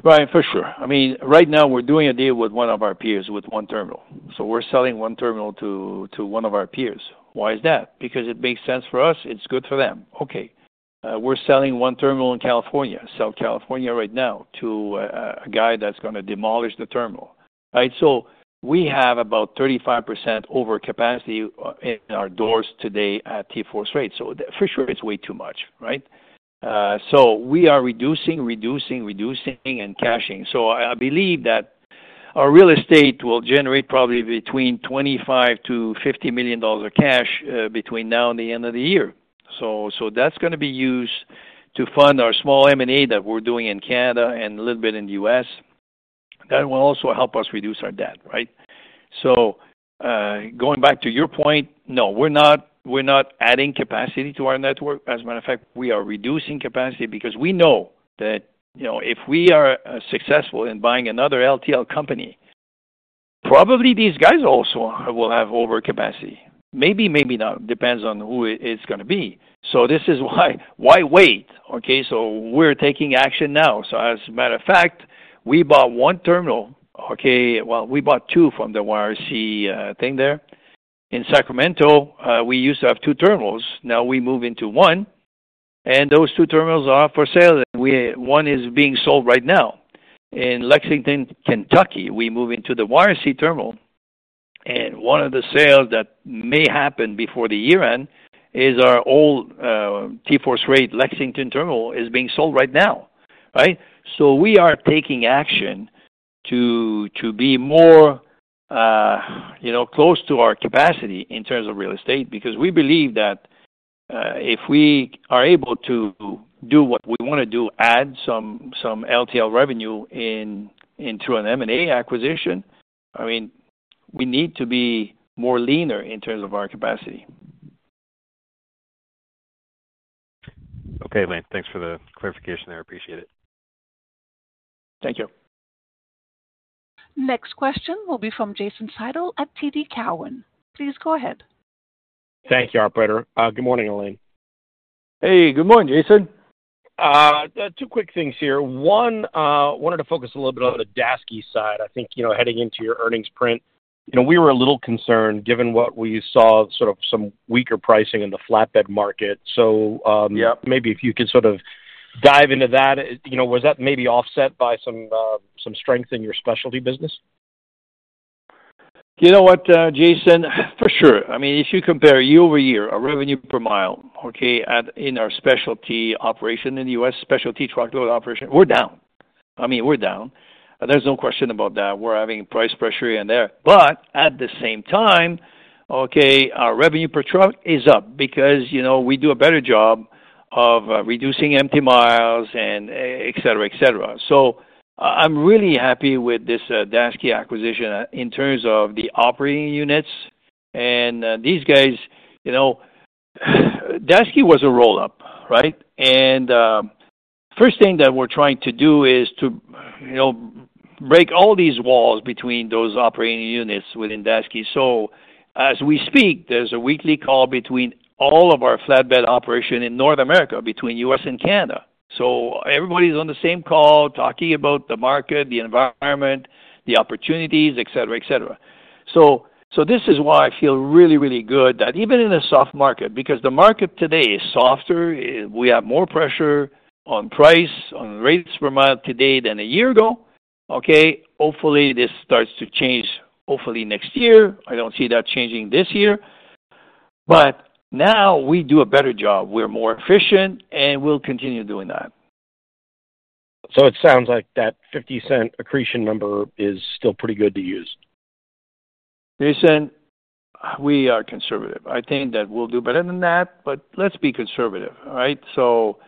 [SPEAKER 2] Brian, for sure. I mean, right now, we're doing a deal with one of our peers with one terminal. So we're selling one terminal to one of our peers. Why is that? Because it makes sense for us. It's good for them. Okay. We're selling one terminal in Southern California right now, to a guy that's going to demolish the terminal, right? So we have about 35% overcapacity in our doors today at TForce Freight. So for sure, it's way too much, right? So we are reducing, reducing, reducing and cashing. So I believe that our real estate will generate probably between $25 million-$50 million of cash between now and the end of the year. So that's going to be used to fund our small M&A that we're doing in Canada and a little bit in the U.S. That will also help us reduce our debt, right? So going back to your point, no, we're not adding capacity to our network. As a matter of fact, we are reducing capacity because we know that if we are successful in buying another LTL company, probably these guys also will have overcapacity. Maybe, maybe not. Depends on who it's going to be. So this is why wait, okay? So we're taking action now. So as a matter of fact, we bought 1 terminal, okay? Well, we bought two from the YRC thing there. In Sacramento, we used to have 2 terminals. Now we move into one. And those 2 terminals are for sale. One is being sold right now. In Lexington, Kentucky, we move into the YRC terminal. One of the sales that may happen before the year-end is our old TForce Freight Lexington terminal is being sold right now, right? So we are taking action to be more close to our capacity in terms of real estate because we believe that if we are able to do what we want to do, add some LTL revenue through an M&A acquisition, I mean, we need to be more leaner in terms of our capacity.
[SPEAKER 7] Okay, Alain. Thanks for the clarification there. Appreciate it.
[SPEAKER 2] Thank you.
[SPEAKER 1] Next question will be from Jason Seidl at TD Cowen. Please go ahead.
[SPEAKER 8] Thank you, operator. Good morning, Alain.
[SPEAKER 2] Hey, good morning, Jason.
[SPEAKER 8] Two quick things here. One, wanted to focus a little bit on the Daseke side. I think heading into your earnings print, we were a little concerned given what we saw, sort of some weaker pricing in the flatbed market. So maybe if you could sort of dive into that, was that maybe offset by some strength in your specialty business?
[SPEAKER 2] You know what, Jason? For sure. I mean, if you compare year-over-year, our revenue per mile, okay, in our specialized operation in the U.S., specialized truckload operation, we're down. I mean, we're down. There's no question about that. We're having price pressure in there. But at the same time, okay, our revenue per truck is up because we do a better job of reducing empty miles, etc., etc. So I'm really happy with this Daseke acquisition in terms of the operating units. And these guys, Daseke was a roll-up, right? And first thing that we're trying to do is to break all these walls between those operating units within Daseke. So as we speak, there's a weekly call between all of our flatbed operation in North America between U.S. and Canada. So everybody's on the same call talking about the market, the environment, the opportunities, etc., etc. So this is why I feel really, really good that even in a soft market, because the market today is softer, we have more pressure on price, on rates per mile today than a year ago, okay? Hopefully, this starts to change hopefully next year. I don't see that changing this year. But now we do a better job. We're more efficient, and we'll continue doing that.
[SPEAKER 8] It sounds like that $0.50 accretion number is still pretty good to use.
[SPEAKER 2] Jason, we are conservative. I think that we'll do better than that, but let's be conservative, right? So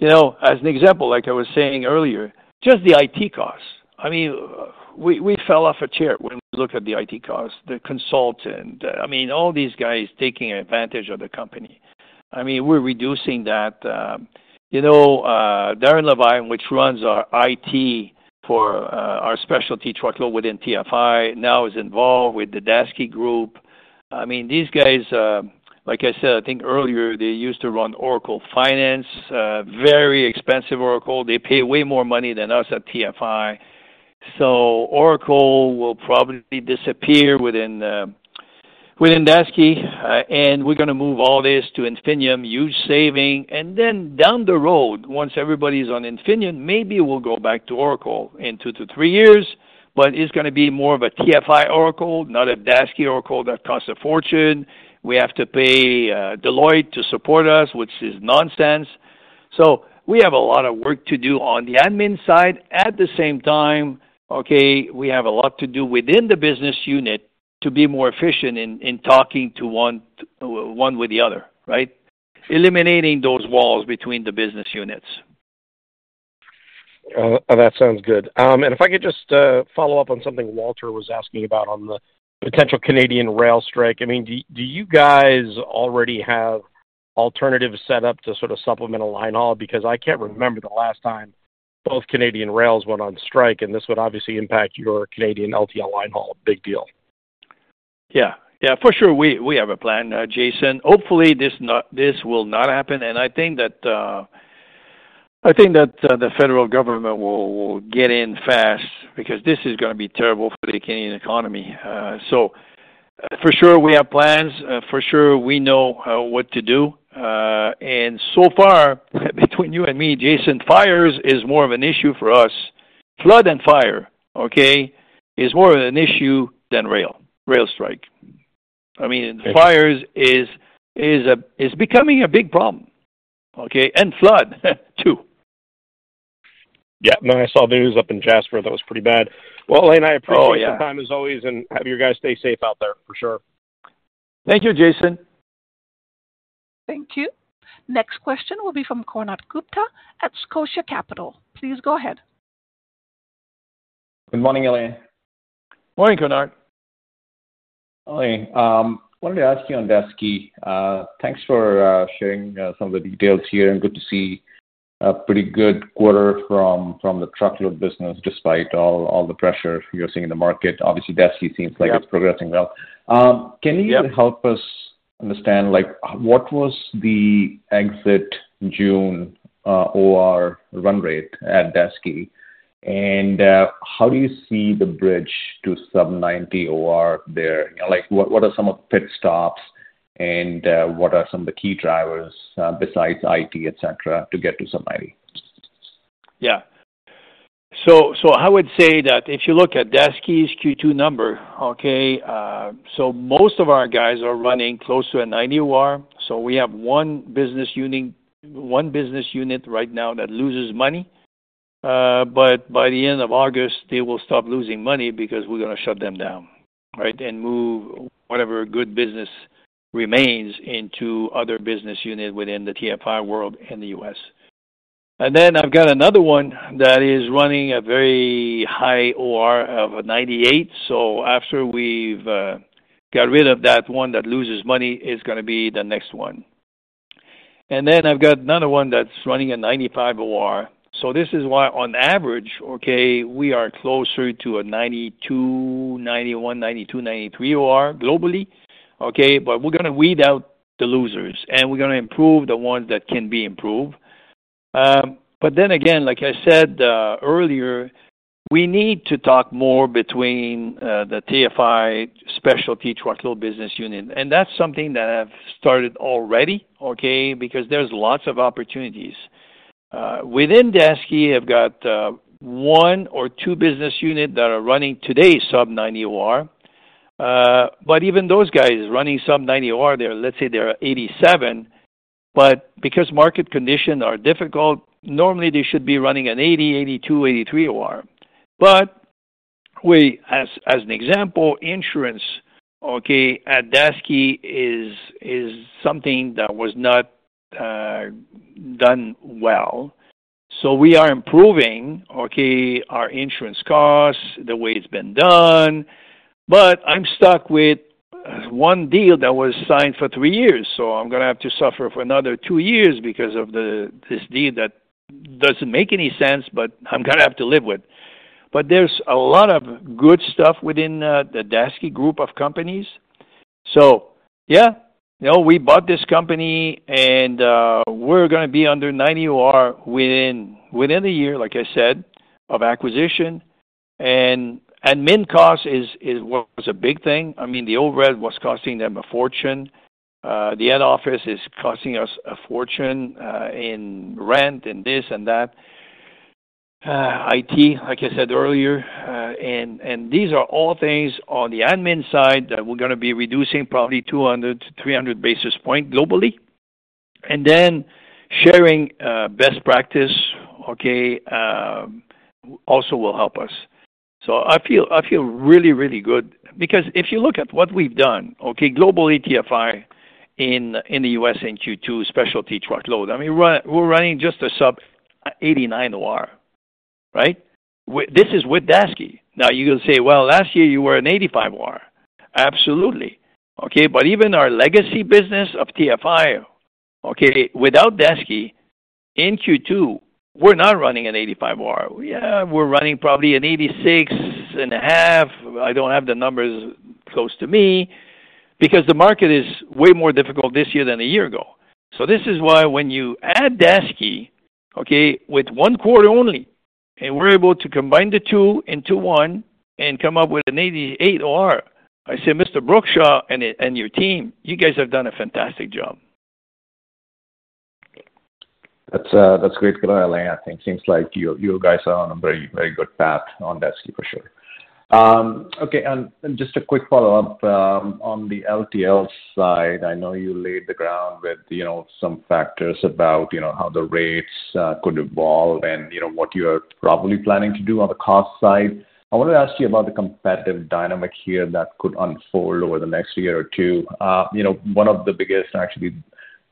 [SPEAKER 2] as an example, like I was saying earlier, just the IT costs. I mean, we fell off a chair when we look at the IT costs, the consultant, I mean, all these guys taking advantage of the company. I mean, we're reducing that. Darrin Lavin, which runs our IT for our specialized truckload within TFI, now is involved with the Daseke group. I mean, these guys, like I said, I think earlier they used to run Oracle Finance, very expensive Oracle. They pay way more money than us at TFI. So Oracle will probably disappear within Daseke, and we're going to move all this to Infinium, huge saving. And then down the road, once everybody's on Infinium, maybe we'll go back to Oracle in 2-3 years, but it's going to be more of a TFI Oracle, not a Daseke Oracle that costs a fortune. We have to pay Deloitte to support us, which is nonsense. So we have a lot of work to do on the admin side. At the same time, okay, we have a lot to do within the business unit to be more efficient in talking to one with the other, right? Eliminating those walls between the business units.
[SPEAKER 8] That sounds good. If I could just follow up on something Walter was asking about on the potential Canadian rail strike. I mean, do you guys already have alternatives set up to sort of supplement a linehaul? Because I can't remember the last time both Canadian rails went on strike, and this would obviously impact your Canadian LTL linehaul, big deal.
[SPEAKER 2] Yeah. Yeah. For sure, we have a plan, Jason. Hopefully, this will not happen. I think that the federal government will get in fast because this is going to be terrible for the Canadian economy. For sure, we have plans. For sure, we know what to do. So far, between you and me, Jason, fires is more of an issue for us. Flood and fire, okay, is more of an issue than rail, rail strike. I mean, the fires is becoming a big problem, okay, and flood too.
[SPEAKER 8] Yeah. I saw the news up in Jasper. That was pretty bad. Well, Alain, I appreciate your time as always, and have your guys stay safe out there, for sure.
[SPEAKER 2] Thank you, Jason.
[SPEAKER 1] Thank you. Next question will be from Konark Gupta at Scotia Capital. Please go ahead.
[SPEAKER 9] Good morning, Alain.
[SPEAKER 2] Morning, Konark.
[SPEAKER 9] Alain, I wanted to ask you on Daseke. Thanks for sharing some of the details here. Good to see a pretty good quarter from the truckload business despite all the pressure you're seeing in the market. Obviously, Daseke seems like it's progressing well. Can you help us understand what was the exit June OR run rate at Daseke? And how do you see the bridge to sub-90 OR there? What are some of the pit stops? And what are some of the key drivers besides IT, etc., to get to sub-90?
[SPEAKER 2] Yeah. So I would say that if you look at Daseke's Q2 number, okay, so most of our guys are running close to a 90 OR. So we have one business unit right now that loses money. But by the end of August, they will stop losing money because we're going to shut them down, right, and move whatever good business remains into other business units within the TFI world in the U.S. And then I've got another one that is running a very high OR of a 98. So after we've got rid of that one that loses money, it's going to be the next one. And then I've got another one that's running a 95 OR. So this is why, on average, okay, we are closer to a 92, 91, 92, 93 OR globally, okay? But we're going to weed out the losers, and we're going to improve the ones that can be improved. But then again, like I said earlier, we need to talk more between the TFI specialized truckload business unit. And that's something that I've started already, okay, because there's lots of opportunities. Within Daseke, I've got one or two business units that are running today sub-90 OR. But even those guys running sub-90 OR, let's say they're 87. But because market conditions are difficult, normally they should be running an 80, 82, 83 OR. But as an example, insurance, okay, at Daseke is something that was not done well. So we are improving, okay, our insurance costs the way it's been done. But I'm stuck with one deal that was signed for three years. So I'm going to have to suffer for another two years because of this deal that doesn't make any sense, but I'm going to have to live with. But there's a lot of good stuff within the Daseke group of companies. So yeah, we bought this company, and we're going to be under 90 OR within the year, like I said, of acquisition. And admin costs was a big thing. I mean, the overhead was costing them a fortune. The head office is costing us a fortune in rent and this and that. IT, like I said earlier. And these are all things on the admin side that we're going to be reducing probably 200-300 basis points globally. And then sharing best practice, okay, also will help us. So I feel really, really good because if you look at what we've done, okay, globally TFI in the U.S. In Q2 specialty truckload, I mean, we're running just a sub-89 OR, right? This is with Daseke. Now, you're going to say, "Well, last year you were an 85 OR." Absolutely. Okay. But even our legacy business of TFI, okay, without Daseke, in Q2, we're not running an 85 OR. Yeah, we're running probably an 86.5. I don't have the numbers close to me because the market is way more difficult this year than a year ago. So this is why when you add Daseke, okay, with one quarter only, and we're able to combine the two into one and come up with an 88 OR, I say, "Mr. Brookshaw and your team, you guys have done a fantastic job.
[SPEAKER 9] That's great for the LTL. It seems like you guys are on a very, very good path on Daseke, for sure. Okay. And just a quick follow-up on the LTL side. I know you laid the ground with some factors about how the rates could evolve and what you're probably planning to do on the cost side. I wanted to ask you about the competitive dynamic here that could unfold over the next year or two. One of the biggest, actually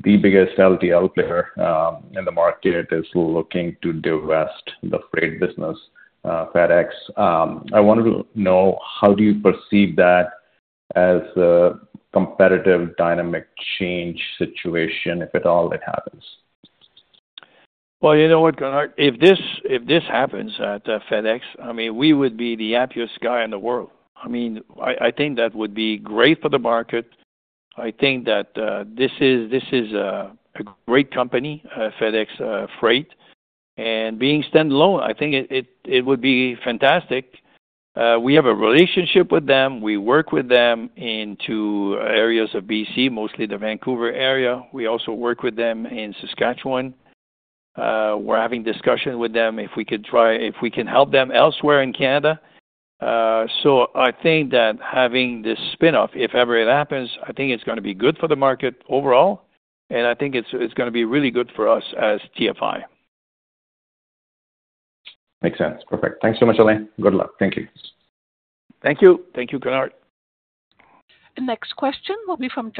[SPEAKER 9] the biggest LTL player in the market is looking to divest the freight business, FedEx. I wanted to know, how do you perceive that as a competitive dynamic change situation if at all it happens?
[SPEAKER 2] Well, you know what, Konark? If this happens at FedEx, I mean, we would be the happiest guy in the world. I mean, I think that would be great for the market. I think that this is a great company, FedEx Freight. And being standalone, I think it would be fantastic. We have a relationship with them. We work with them into areas of BC, mostly the Vancouver area. We also work with them in Saskatchewan. We're having discussions with them if we can help them elsewhere in Canada. So I think that having this spinoff, if ever it happens, I think it's going to be good for the market overall. And I think it's going to be really good for us as TFI.
[SPEAKER 9] Makes sense. Perfect. Thanks so much, Alain. Good luck. Thank you.
[SPEAKER 2] Thank you. Thank you, Konark.
[SPEAKER 1] Next question will be from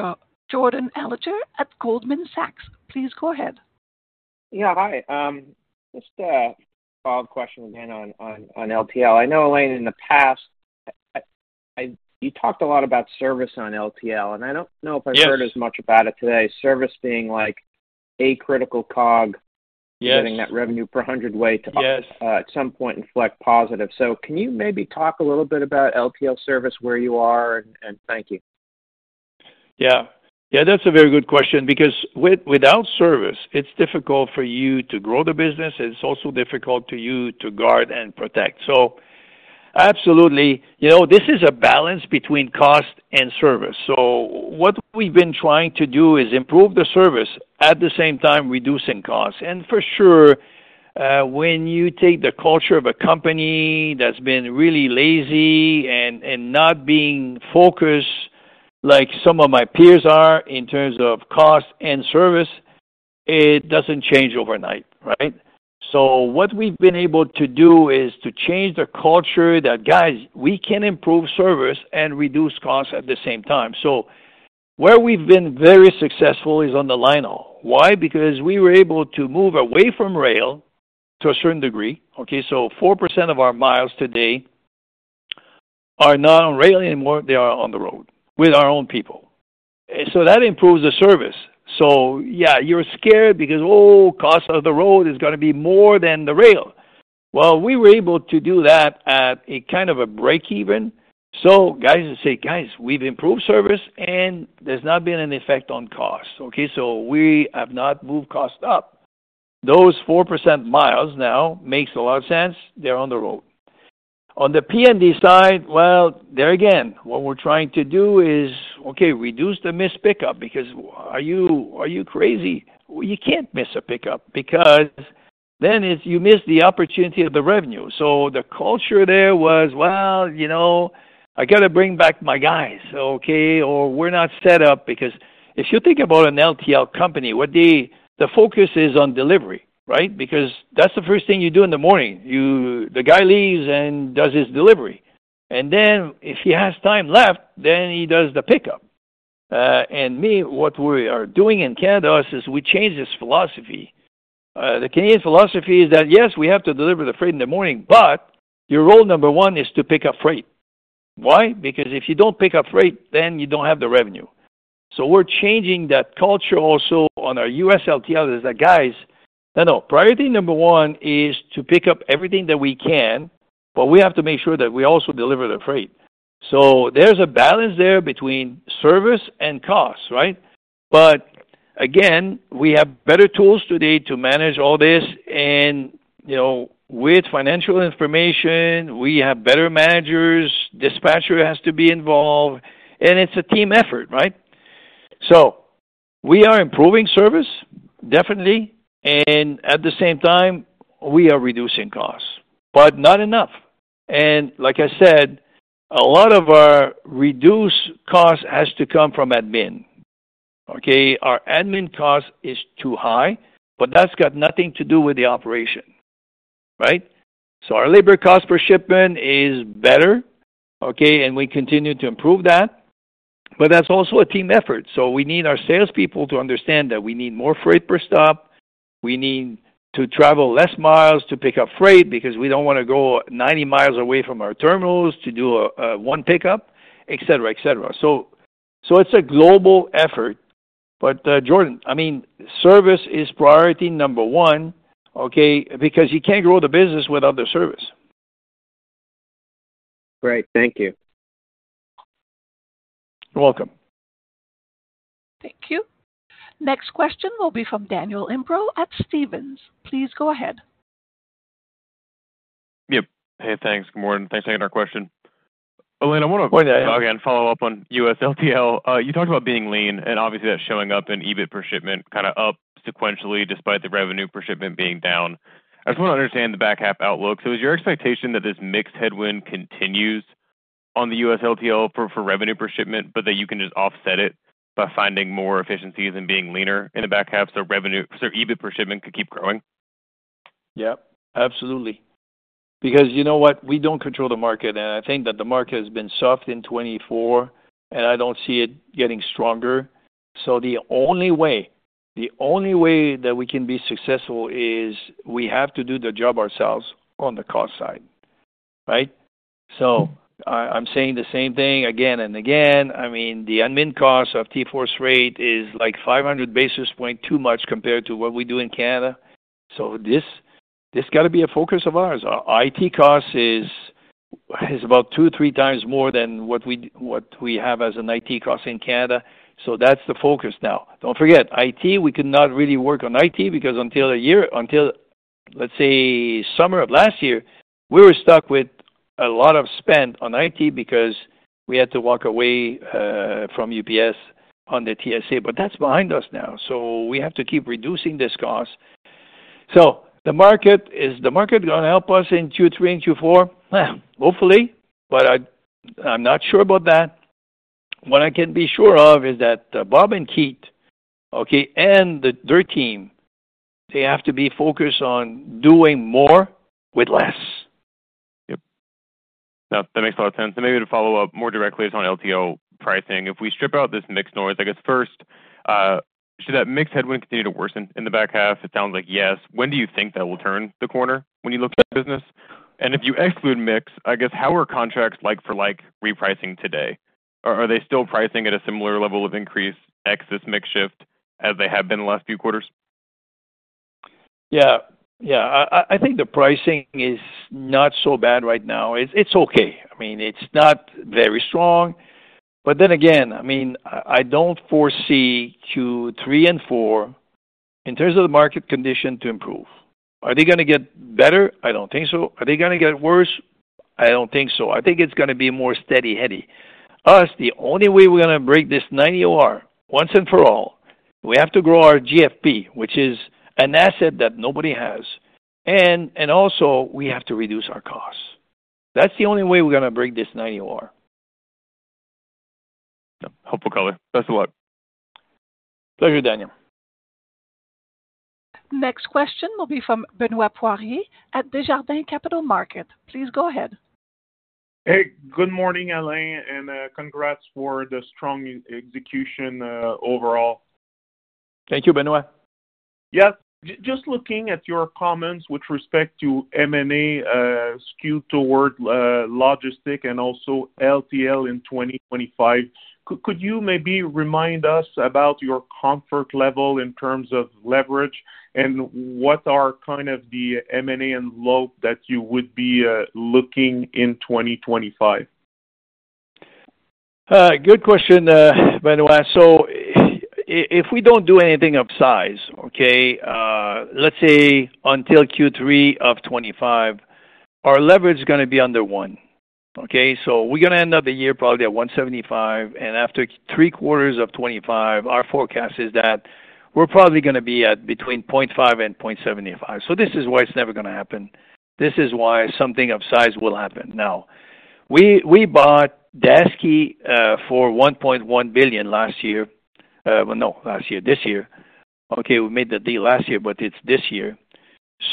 [SPEAKER 1] Jordan Alliger at Goldman Sachs. Please go ahead.
[SPEAKER 10] Yeah. Hi. Just a follow-up question again on LTL. I know, Alain, in the past, you talked a lot about service on LTL. And I don't know if I've heard as much about it today, service being like a critical cog, getting that revenue per hundredweight to at some point inflect positive. So can you maybe talk a little bit about LTL service where you are? And thank you.
[SPEAKER 2] Yeah. Yeah. That's a very good question because without service, it's difficult for you to grow the business. It's also difficult to you to guard and protect. So absolutely, this is a balance between cost and service. So what we've been trying to do is improve the service at the same time reducing costs. And for sure, when you take the culture of a company that's been really lazy and not being focused like some of my peers are in terms of cost and service, it doesn't change overnight, right? So what we've been able to do is to change the culture that, guys, we can improve service and reduce costs at the same time. So where we've been very successful is on the linehaul. Why? Because we were able to move away from rail to a certain degree. Okay. So 4% of our miles today are not on rail anymore. They are on the road with our own people. So that improves the service. So yeah, you're scared because, oh, cost of the road is going to be more than the rail. Well, we were able to do that at a kind of a break-even. So guys will say, "Guys, we've improved service, and there's not been an effect on cost." Okay. So we have not moved cost up. Those 4% miles now makes a lot of sense. They're on the road. On the P&D side, well, there again, what we're trying to do is, okay, reduce the missed pickup because are you crazy? You can't miss a pickup because then you miss the opportunity of the revenue. So the culture there was, well, I got to bring back my guys, okay, or we're not set up because if you think about an LTL company, the focus is on delivery, right? Because that's the first thing you do in the morning. The guy leaves and does his delivery. And then if he has time left, then he does the pickup. And me, what we are doing in Canada is we changed this philosophy. The Canadian philosophy is that, yes, we have to deliver the freight in the morning, but your role number one is to pick up freight. Why? Because if you don't pick up freight, then you don't have the revenue. So we're changing that culture also on our U.S. LTL is that, guys, no, no. Priority number one is to pick up everything that we can, but we have to make sure that we also deliver the freight. So there's a balance there between service and cost, right? But again, we have better tools today to manage all this. And with financial information, we have better managers. Dispatcher has to be involved. And it's a team effort, right? So we are improving service, definitely. And at the same time, we are reducing costs, but not enough. And like I said, a lot of our reduced costs has to come from admin. Okay. Our admin cost is too high, but that's got nothing to do with the operation, right? So our labor cost per shipment is better, okay, and we continue to improve that. But that's also a team effort. So we need our salespeople to understand that we need more freight per stop. We need to travel less miles to pick up freight because we don't want to go 90 miles away from our terminals to do one pickup, etc., etc. So it's a global effort. But Jordan, I mean, service is priority number one, okay, because you can't grow the business without the service.
[SPEAKER 10] Great. Thank you.
[SPEAKER 2] You're welcome.
[SPEAKER 1] Thank you. Next question will be from Daniel Imbro at Stephens. Please go ahead.
[SPEAKER 11] Yep. Hey, thanks. Good morning. Thanks for taking our question. Alain, I want to again follow up on U.S. LTL. You talked about being lean, and obviously that's showing up in EBIT per shipment kind of up sequentially despite the revenue per shipment being down. I just want to understand the back half outlook. So is your expectation that this mixed headwind continues on the U.S. LTL for revenue per shipment, but that you can just offset it by finding more efficiencies and being leaner in the back half so EBIT per shipment could keep growing?
[SPEAKER 2] Yep. Absolutely. Because you know what? We don't control the market. And I think that the market has been soft in 2024, and I don't see it getting stronger. So the only way that we can be successful is we have to do the job ourselves on the cost side, right? So I'm saying the same thing again and again. I mean, the admin cost of TForce Freight is like 500 basis points too much compared to what we do in Canada. So this got to be a focus of ours. Our IT cost is about 2x or 3x more than what we have as an IT cost in Canada. So that's the focus now. Don't forget, IT, we could not really work on IT because until a year, let's say summer of last year, we were stuck with a lot of spend on IT because we had to walk away from UPS on the TSA. But that's behind us now. So we have to keep reducing this cost. So the market is the market going to help us in Q3 and Q4? Hopefully. But I'm not sure about that. What I can be sure of is that Bob and Keith, okay, and their team, they have to be focused on doing more with less.
[SPEAKER 11] Yep. That makes a lot of sense. And maybe to follow up more directly is on LTL pricing. If we strip out this mixed noise, I guess first, should that mixed headwind continue to worsen in the back half? It sounds like yes. When do you think that will turn the corner when you look at the business? And if you exclude mix, I guess how are contracts like-for-like repricing today? Are they still pricing at a similar level of increase ex this mixed shift as they have been the last few quarters?
[SPEAKER 2] Yeah. Yeah. I think the pricing is not so bad right now. It's okay. I mean, it's not very strong. But then again, I mean, I don't foresee Q3 and Q4 in terms of the market condition to improve. Are they going to get better? I don't think so. Are they going to get worse? I don't think so. I think it's going to be more steady-headed. Us, the only way we're going to break this 90 OR once and for all, we have to grow our GFP, which is an asset that nobody has. And also, we have to reduce our costs. That's the only way we're going to break this 90 OR.
[SPEAKER 11] Helpful color. Thanks a lot.
[SPEAKER 2] Pleasure, Daniel.
[SPEAKER 1] Next question will be from Benoît Poirier at Desjardins Capital Markets. Please go ahead.
[SPEAKER 12] Hey, good morning, Alain. Congrats for the strong execution overall.
[SPEAKER 2] Thank you, Benoît.
[SPEAKER 12] Yes. Just looking at your comments with respect to M&A skewed toward logistics and also LTL in 2025, could you maybe remind us about your comfort level in terms of leverage and what are kind of the M&A and LTL that you would be looking in 2025?
[SPEAKER 2] Good question, Benoît. So if we don't do anything upsize, okay, let's say until Q3 of 2025, our leverage is going to be under one. Okay. So we're going to end up the year probably at 175. And after three quarters of 2025, our forecast is that we're probably going to be at between 0.5 and 0.75. So this is why it's never going to happen. This is why something of size will happen. Now, we bought Daseke for $1.1 billion last year. Well, no, last year, this year. Okay. We made the deal last year, but it's this year.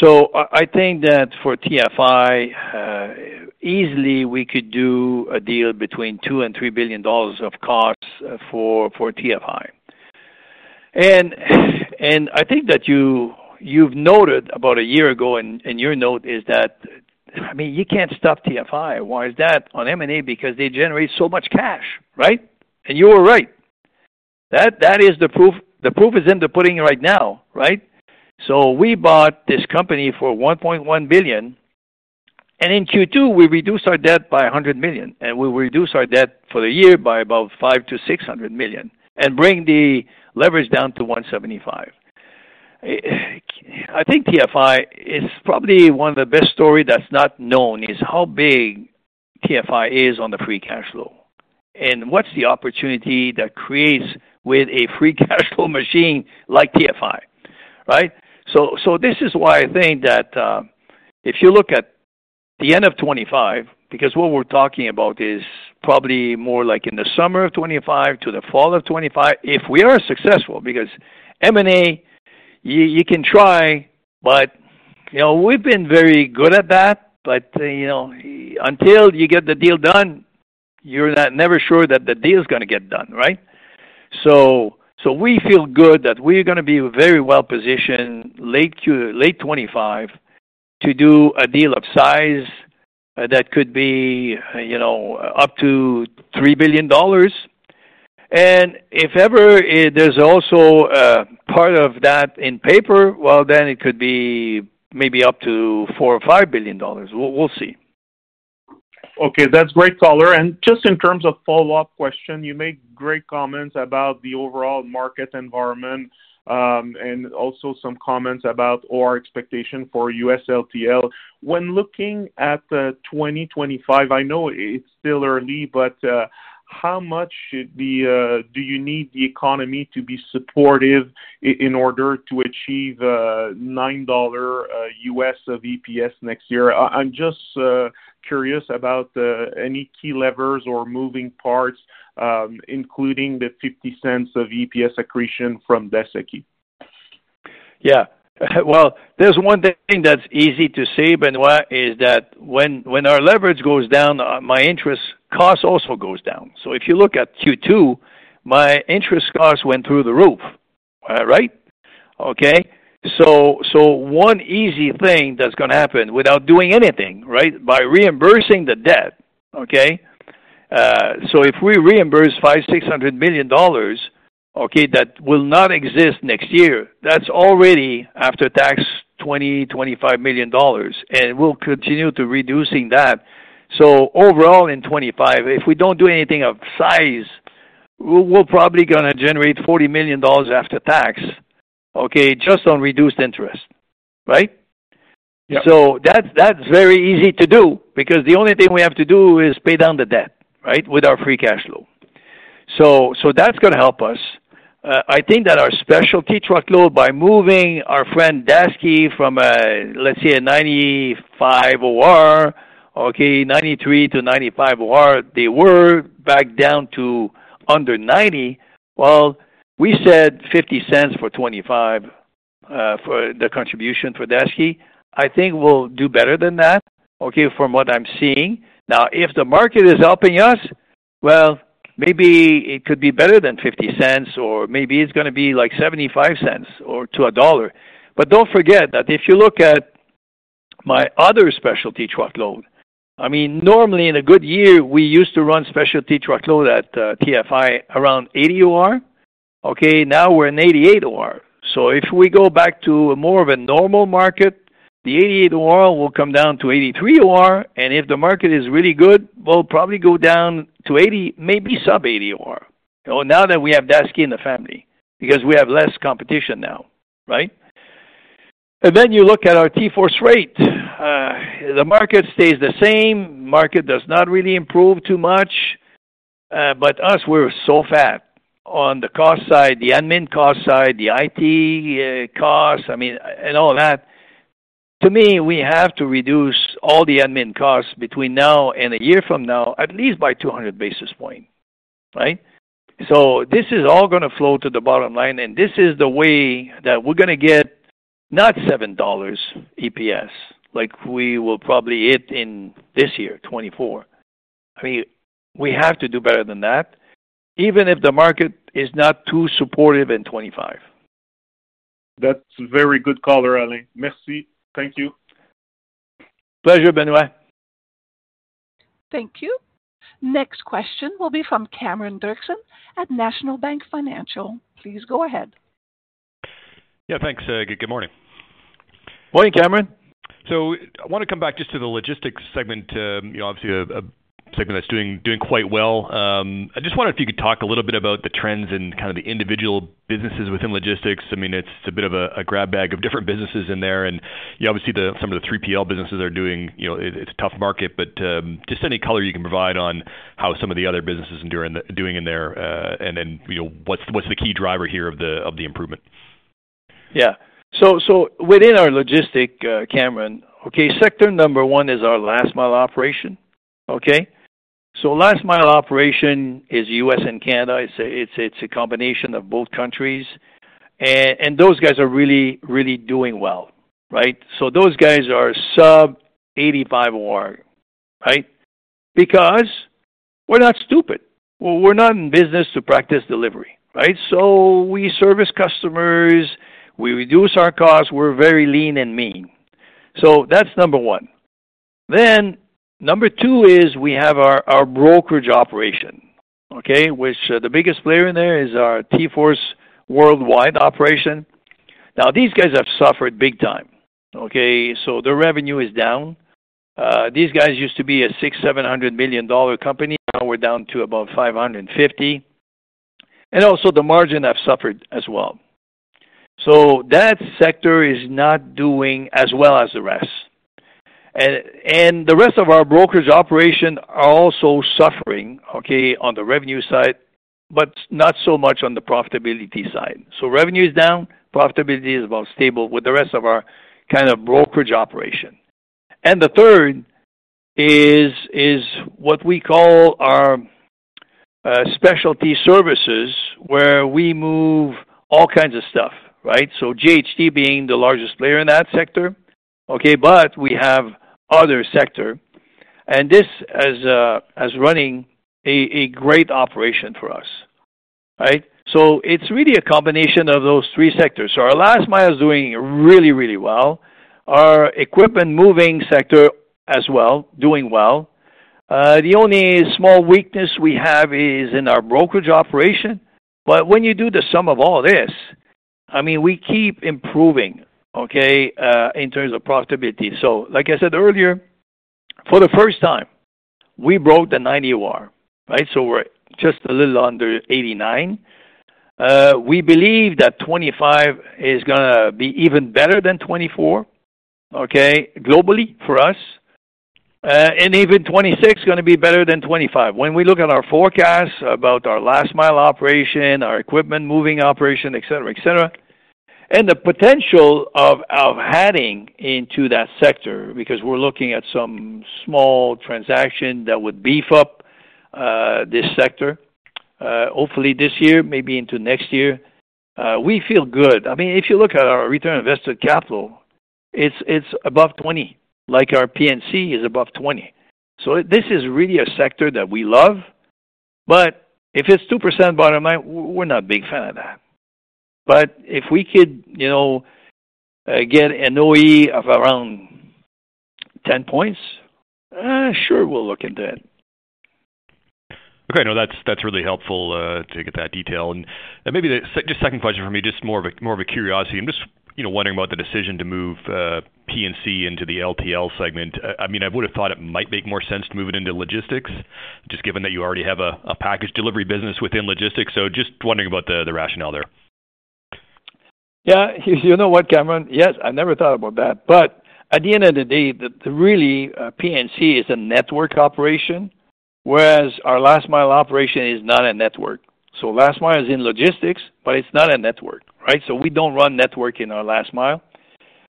[SPEAKER 2] So I think that for TFI, easily we could do a deal between $2 billion and $3 billion of size for TFI. And I think that you've noted about a year ago in your note is that, I mean, you can't stop TFI. Why is that? On M&A because they generate so much cash, right? You were right. That is the proof. The proof is in the pudding right now, right? We bought this company for $1.1 billion. In Q2, we reduced our debt by $100 million. We reduced our debt for the year by about $500 million-$600 million and bring the leverage down to 175. I think TFI is probably one of the best stories that's not known is how big TFI is on the free cash flow. What's the opportunity that creates with a free cash flow machine like TFI, right? So this is why I think that if you look at the end of 2025, because what we're talking about is probably more like in the summer of 2025 to the fall of 2025, if we are successful, because M&A, you can try, but we've been very good at that. But until you get the deal done, you're never sure that the deal is going to get done, right? So we feel good that we're going to be very well positioned late 2025 to do a deal of size that could be up to $3 billion. And if ever there's also part of that in paper, well, then it could be maybe up to $4 billion or $5 billion. We'll see.
[SPEAKER 12] Okay. That's great color. Just in terms of follow-up question, you made great comments about the overall market environment and also some comments about our expectation for U.S. LTL. When looking at 2025, I know it's still early, but how much do you need the economy to be supportive in order to achieve $9 U.S. of EPS next year? I'm just curious about any key levers or moving parts, including the $0.50 of EPS accretion from Daseke.
[SPEAKER 2] Yeah. Well, there's one thing that's easy to say, Benoît, is that when our leverage goes down, my interest cost also goes down. So if you look at Q2, my interest cost went through the roof, right? Okay. So one easy thing that's going to happen without doing anything, right, by reimbursing the debt, okay? So if we reimburse $500 million-$600 million, okay, that will not exist next year. That's already after-tax $20 million-$25 million. And we'll continue to reduce that. So overall in 2025, if we don't do anything of size, we're probably going to generate $40 million after-tax, okay, just on reduced interest, right? So that's very easy to do because the only thing we have to do is pay down the debt, right, with our free cash flow. So that's going to help us. I think that our specialized truckload, by moving our friend Daseke from, let's say, a 95 OR, okay, 93-95 OR, they were back down to under 90. Well, we said $0.50 for 2025 for the contribution for Daseke. I think we'll do better than that, okay, from what I'm seeing. Now, if the market is helping us, well, maybe it could be better than $0.50, or maybe it's going to be like $0.75 or to $1. But don't forget that if you look at my other specialized truckload, I mean, normally in a good year, we used to run specialized truckload at TFI around 80 OR. Okay. Now we're in 88 OR. So if we go back to more of a normal market, the 88 OR will come down to 83 OR. And if the market is really good, we'll probably go down to 80, maybe sub 80 OR, now that we have Daseke in the family because we have less competition now, right? And then you look at our TForce OR. The market stays the same. Market does not really improve too much. But us, we're so fat on the cost side, the admin cost side, the IT cost, I mean, and all that. To me, we have to reduce all the admin costs between now and a year from now, at least by 200 basis points, right? So this is all going to flow to the bottom line. And this is the way that we're going to get not $7 EPS like we will probably hit in this year, 2024. I mean, we have to do better than that, even if the market is not too supportive in 2025.
[SPEAKER 12] That's very good color, Alain. Merci. Thank you.
[SPEAKER 2] Pleasure, Benoît.
[SPEAKER 1] Thank you. Next question will be from Cameron Doerksen at National Bank Financial. Please go ahead.
[SPEAKER 13] Yeah. Thanks. Good morning.
[SPEAKER 2] Morning, Cameron.
[SPEAKER 13] So I want to come back just to the logistics segment, obviously a segment that's doing quite well. I just wondered if you could talk a little bit about the trends in kind of the individual businesses within logistics. I mean, it's a bit of a grab bag of different businesses in there. And obviously, some of the 3PL businesses are doing. It's a tough market, but just any color you can provide on how some of the other businesses are doing in there and then what's the key driver here of the improvement.
[SPEAKER 2] Yeah. So within our logistics, Cameron, okay, sector number one is our last mile operation. Okay. So last mile operation is U.S. and Canada. It's a combination of both countries. And those guys are really, really doing well, right? So those guys are sub-85 OR, right? Because we're not stupid. We're not in business to practice delivery, right? So we service customers. We reduce our costs. We're very lean and mean. So that's number one. Then number two is we have our brokerage operation, okay, which the biggest player in there is our TForce Worldwide operation. Now, these guys have suffered big time. Okay. So their revenue is down. These guys used to be a $600 million-$700 million company. Now we're down to about $550 million. And also the margin have suffered as well. So that sector is not doing as well as the rest. And the rest of our brokerage operation are also suffering, okay, on the revenue side, but not so much on the profitability side. So revenue is down. Profitability is about stable with the rest of our kind of brokerage operation. And the third is what we call our specialty services where we move all kinds of stuff, right? So JHT being the largest player in that sector, okay, but we have other sector. And this has running a great operation for us, right? So it's really a combination of those three sectors. So our last mile is doing really, really well. Our equipment moving sector as well, doing well. The only small weakness we have is in our brokerage operation. But when you do the sum of all this, I mean, we keep improving, okay, in terms of profitability. So like I said earlier, for the first time, we broke the 90 OR, right? So we're just a little under 89. We believe that 2025 is going to be even better than 2024, okay, globally for us. And even 2026 is going to be better than 2025. When we look at our forecast about our last mile operation, our equipment moving operation, etc., etc., and the potential of adding into that sector because we're looking at some small transaction that would beef up this sector, hopefully this year, maybe into next year, we feel good. I mean, if you look at our return on invested capital, it's above 20, like our P&C is above 20. So this is really a sector that we love. But if it's 2% bottom line, we're not a big fan of that. If we could get an OE of around 10 points, sure, we'll look into it.
[SPEAKER 13] Okay. No, that's really helpful to get that detail. And maybe just second question for me, just more of a curiosity. I'm just wondering about the decision to move P&C into the LTL segment. I mean, I would have thought it might make more sense to move it into logistics, just given that you already have a package delivery business within logistics. So just wondering about the rationale there.
[SPEAKER 2] Yeah. You know what, Cameron? Yes. I never thought about that. But at the end of the day, really, P&C is a network operation, whereas our last mile operation is not a network. So last mile is in logistics, but it's not a network, right? So we don't run network in our last mile.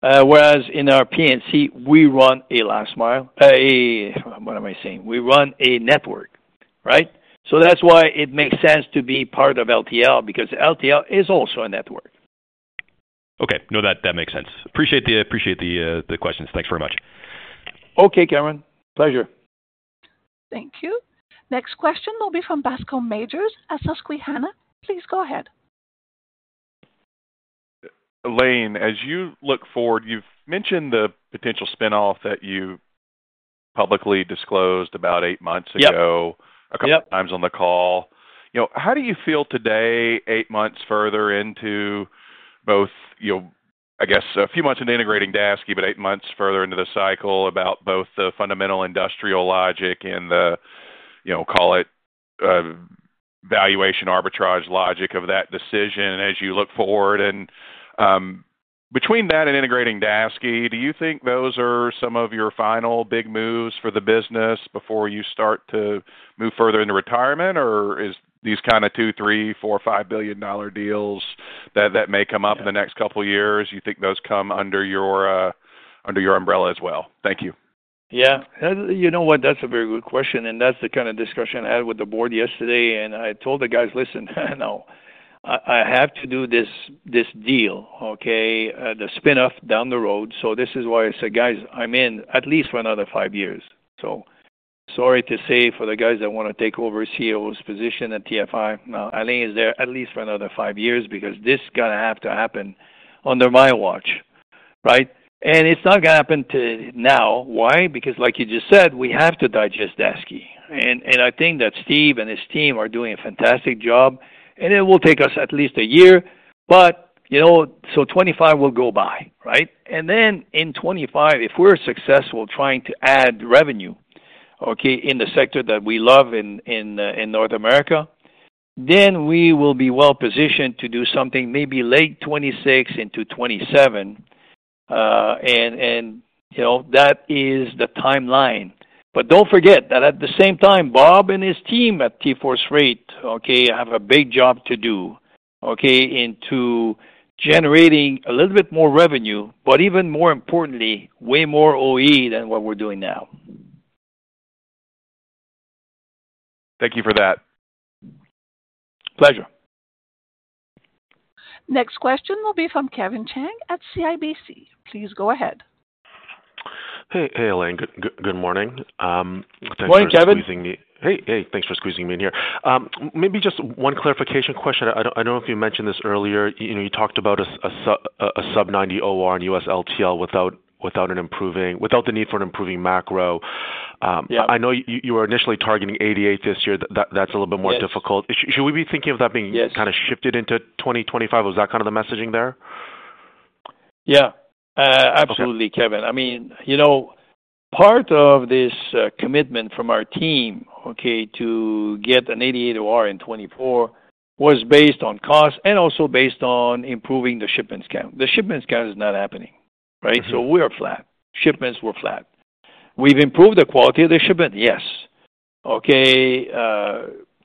[SPEAKER 2] Whereas in our P&C, we run a last mile. What am I saying? We run a network, right? So that's why it makes sense to be part of LTL because LTL is also a network.
[SPEAKER 13] Okay. No, that makes sense. Appreciate the questions. Thanks very much.
[SPEAKER 2] Okay, Cameron. Pleasure.
[SPEAKER 1] Thank you. Next question will be from Bascome Majors. Susquehanna, please go ahead.
[SPEAKER 14] Alain, as you look forward, you've mentioned the potential spinoff that you publicly disclosed about eight months ago, a couple of times on the call. How do you feel today, eight months further into both, I guess, a few months into integrating Daseke, but eight months further into the cycle about both the fundamental industrial logic and the, call it, valuation arbitrage logic of that decision as you look forward? And between that and integrating Daseke, do you think those are some of your final big moves for the business before you start to move further into retirement, or is these kind of $2 billion, $3 billion, $4 billion, $5 billion deals that may come up in the next couple of years, you think those come under your umbrella as well? Thank you.
[SPEAKER 2] Yeah. You know what? That's a very good question. And that's the kind of discussion I had with the board yesterday. And I told the guys, "Listen, I have to do this deal, okay, the spinoff down the road." So this is why I said, "Guys, I'm in at least for another five years." So sorry to say for the guys that want to take over CEO's position at TFI, Alain is there at least for another five years because this is going to have to happen under my watch, right? And it's not going to happen now. Why? Because like you just said, we have to digest Daseke. And I think that Steve and his team are doing a fantastic job. And it will take us at least a year. But so 2025 will go by, right? Then in 2025, if we're successful trying to add revenue, okay, in the sector that we love in North America, then we will be well positioned to do something maybe late 2026 into 2027. That is the timeline. But don't forget that at the same time, Bob and his team at TForce Freight, okay, have a big job to do, okay, into generating a little bit more revenue, but even more importantly, way more OR than what we're doing now.
[SPEAKER 14] Thank you for that.
[SPEAKER 2] Pleasure.
[SPEAKER 1] Next question will be from Kevin Chiang at CIBC. Please go ahead.
[SPEAKER 15] Hey, Alain. Good morning. Thanks for squeezing me.
[SPEAKER 2] Morning, Kevin.
[SPEAKER 15] Hey, thanks for squeezing me in here. Maybe just one clarification question. I don't know if you mentioned this earlier. You talked about a sub-90 OR in US LTL without the need for an improving macro. I know you were initially targeting 88 this year. That's a little bit more difficult. Should we be thinking of that being kind of shifted into 2025? Was that kind of the messaging there?
[SPEAKER 2] Yeah. Absolutely, Kevin. I mean, part of this commitment from our team, okay, to get an 88 OR in 2024 was based on cost and also based on improving the shipment scale. The shipment scale is not happening, right? So we are flat. Shipments were flat. We've improved the quality of the shipment, yes. Okay.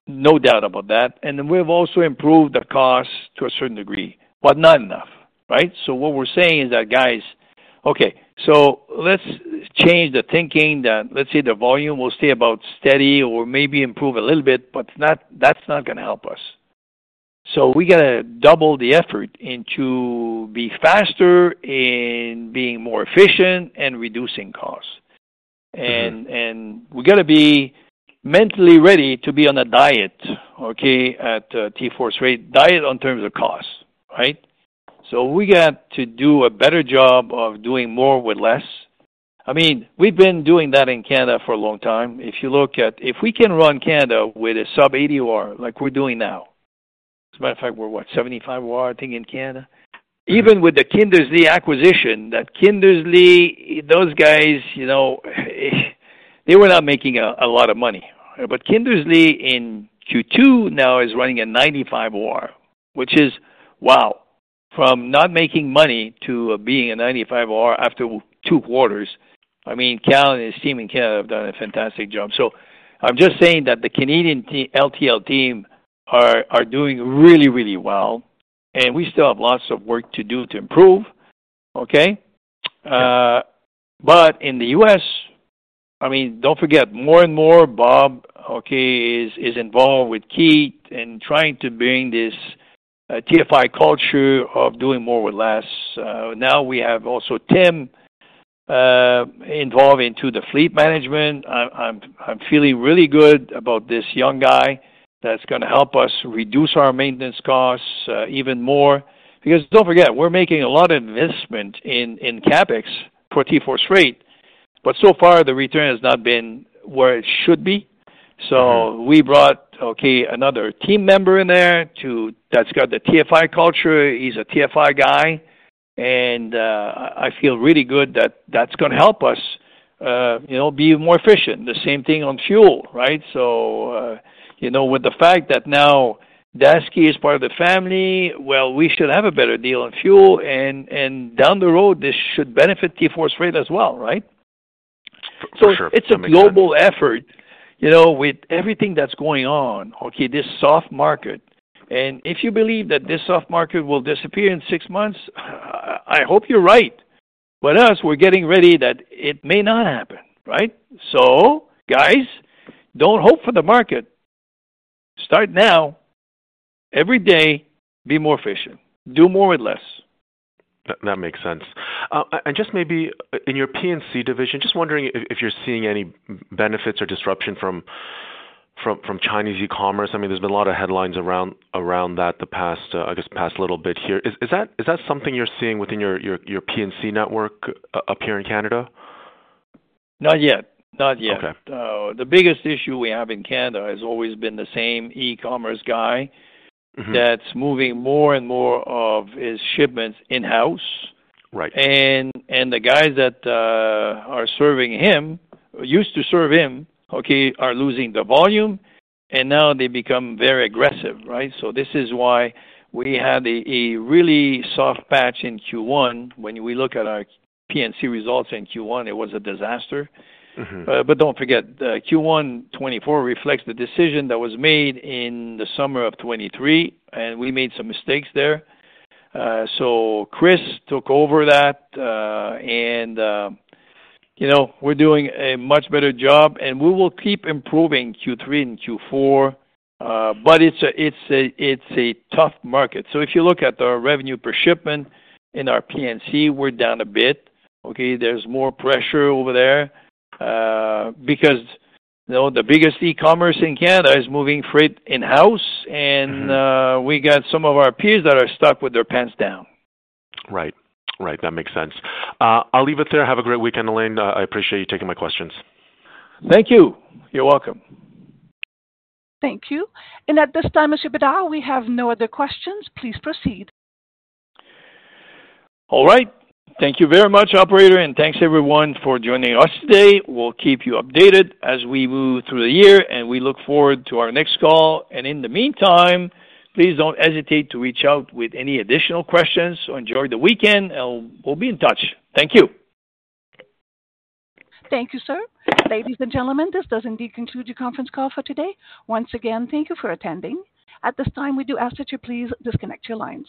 [SPEAKER 2] No doubt about that. And then we've also improved the cost to a certain degree, but not enough, right? So what we're saying is that, guys, okay, so let's change the thinking that, let's say, the volume will stay about steady or maybe improve a little bit, but that's not going to help us. So we got to double the effort into being faster and being more efficient and reducing costs. And we got to be mentally ready to be on a diet, okay, at TForce Freight, diet in terms of cost, right? So we got to do a better job of doing more with less. I mean, we've been doing that in Canada for a long time. If you look at if we can run Canada with a sub-80 OR like we're doing now, as a matter of fact, we're what, 75 OR, I think, in Canada? Even with the Kindersley acquisition, that Kindersley, those guys, they were not making a lot of money. But Kindersley in Q2 now is running a 95 OR, which is wow. From not making money to being a 95 OR after two quarters, I mean, Kal and his team in Canada have done a fantastic job. So I'm just saying that the Canadian LTL team are doing really, really well. And we still have lots of work to do to improve, okay? But in the U.S., I mean, don't forget, more and more, Bob, okay, is involved with Keith and trying to bring this TFI culture of doing more with less. Now we have also Tim involved into the fleet management. I'm feeling really good about this young guy that's going to help us reduce our maintenance costs even more. Because don't forget, we're making a lot of investment in CapEx for TForce Freight. But so far, the return has not been where it should be. So we brought, okay, another team member in there that's got the TFI culture. He's a TFI guy. And I feel really good that that's going to help us be more efficient. The same thing on fuel, right? So with the fact that now Daseke is part of the family, well, we should have a better deal on fuel. Down the road, this should benefit TForce's rate as well, right? So it's a global effort with everything that's going on, okay, this soft market. And if you believe that this soft market will disappear in six months, I hope you're right. But as we're getting ready, that it may not happen, right? So guys, don't hope for the market. Start now. Every day, be more efficient. Do more with less.
[SPEAKER 15] That makes sense. And just maybe in your P&C division, just wondering if you're seeing any benefits or disruption from Chinese e-commerce? I mean, there's been a lot of headlines around that the past, I guess, past little bit here. Is that something you're seeing within your P&C network up here in Canada?
[SPEAKER 2] Not yet. Not yet. The biggest issue we have in Canada has always been the same e-commerce guy that's moving more and more of his shipments in-house. And the guys that are serving him, used to serve him, okay, are losing the volume. And now they become very aggressive, right? So this is why we had a really soft patch in Q1. When we look at our P&C results in Q1, it was a disaster. But don't forget, Q1 2024 reflects the decision that was made in the summer of 2023. And we made some mistakes there. So Chris took over that. And we're doing a much better job. And we will keep improving Q3 and Q4. But it's a tough market. So if you look at our revenue per shipment in our P&C, we're down a bit. Okay. There's more pressure over there because the biggest e-commerce in Canada is moving freight in-house. We got some of our peers that are stuck with their pants down.
[SPEAKER 15] Right. Right. That makes sense. I'll leave it there. Have a great weekend, Alain. I appreciate you taking my questions.
[SPEAKER 2] Thank you. You're welcome.
[SPEAKER 1] Thank you. At this time, Mr. Bédard, we have no other questions. Please proceed.
[SPEAKER 2] All right. Thank you very much, operator. And thanks everyone for joining us today. We'll keep you updated as we move through the year. And we look forward to our next call. And in the meantime, please don't hesitate to reach out with any additional questions. Enjoy the weekend. And we'll be in touch. Thank you.
[SPEAKER 1] Thank you, sir. Ladies and gentlemen, this does indeed conclude your conference call for today. Once again, thank you for attending. At this time, we do ask that you please disconnect your lines.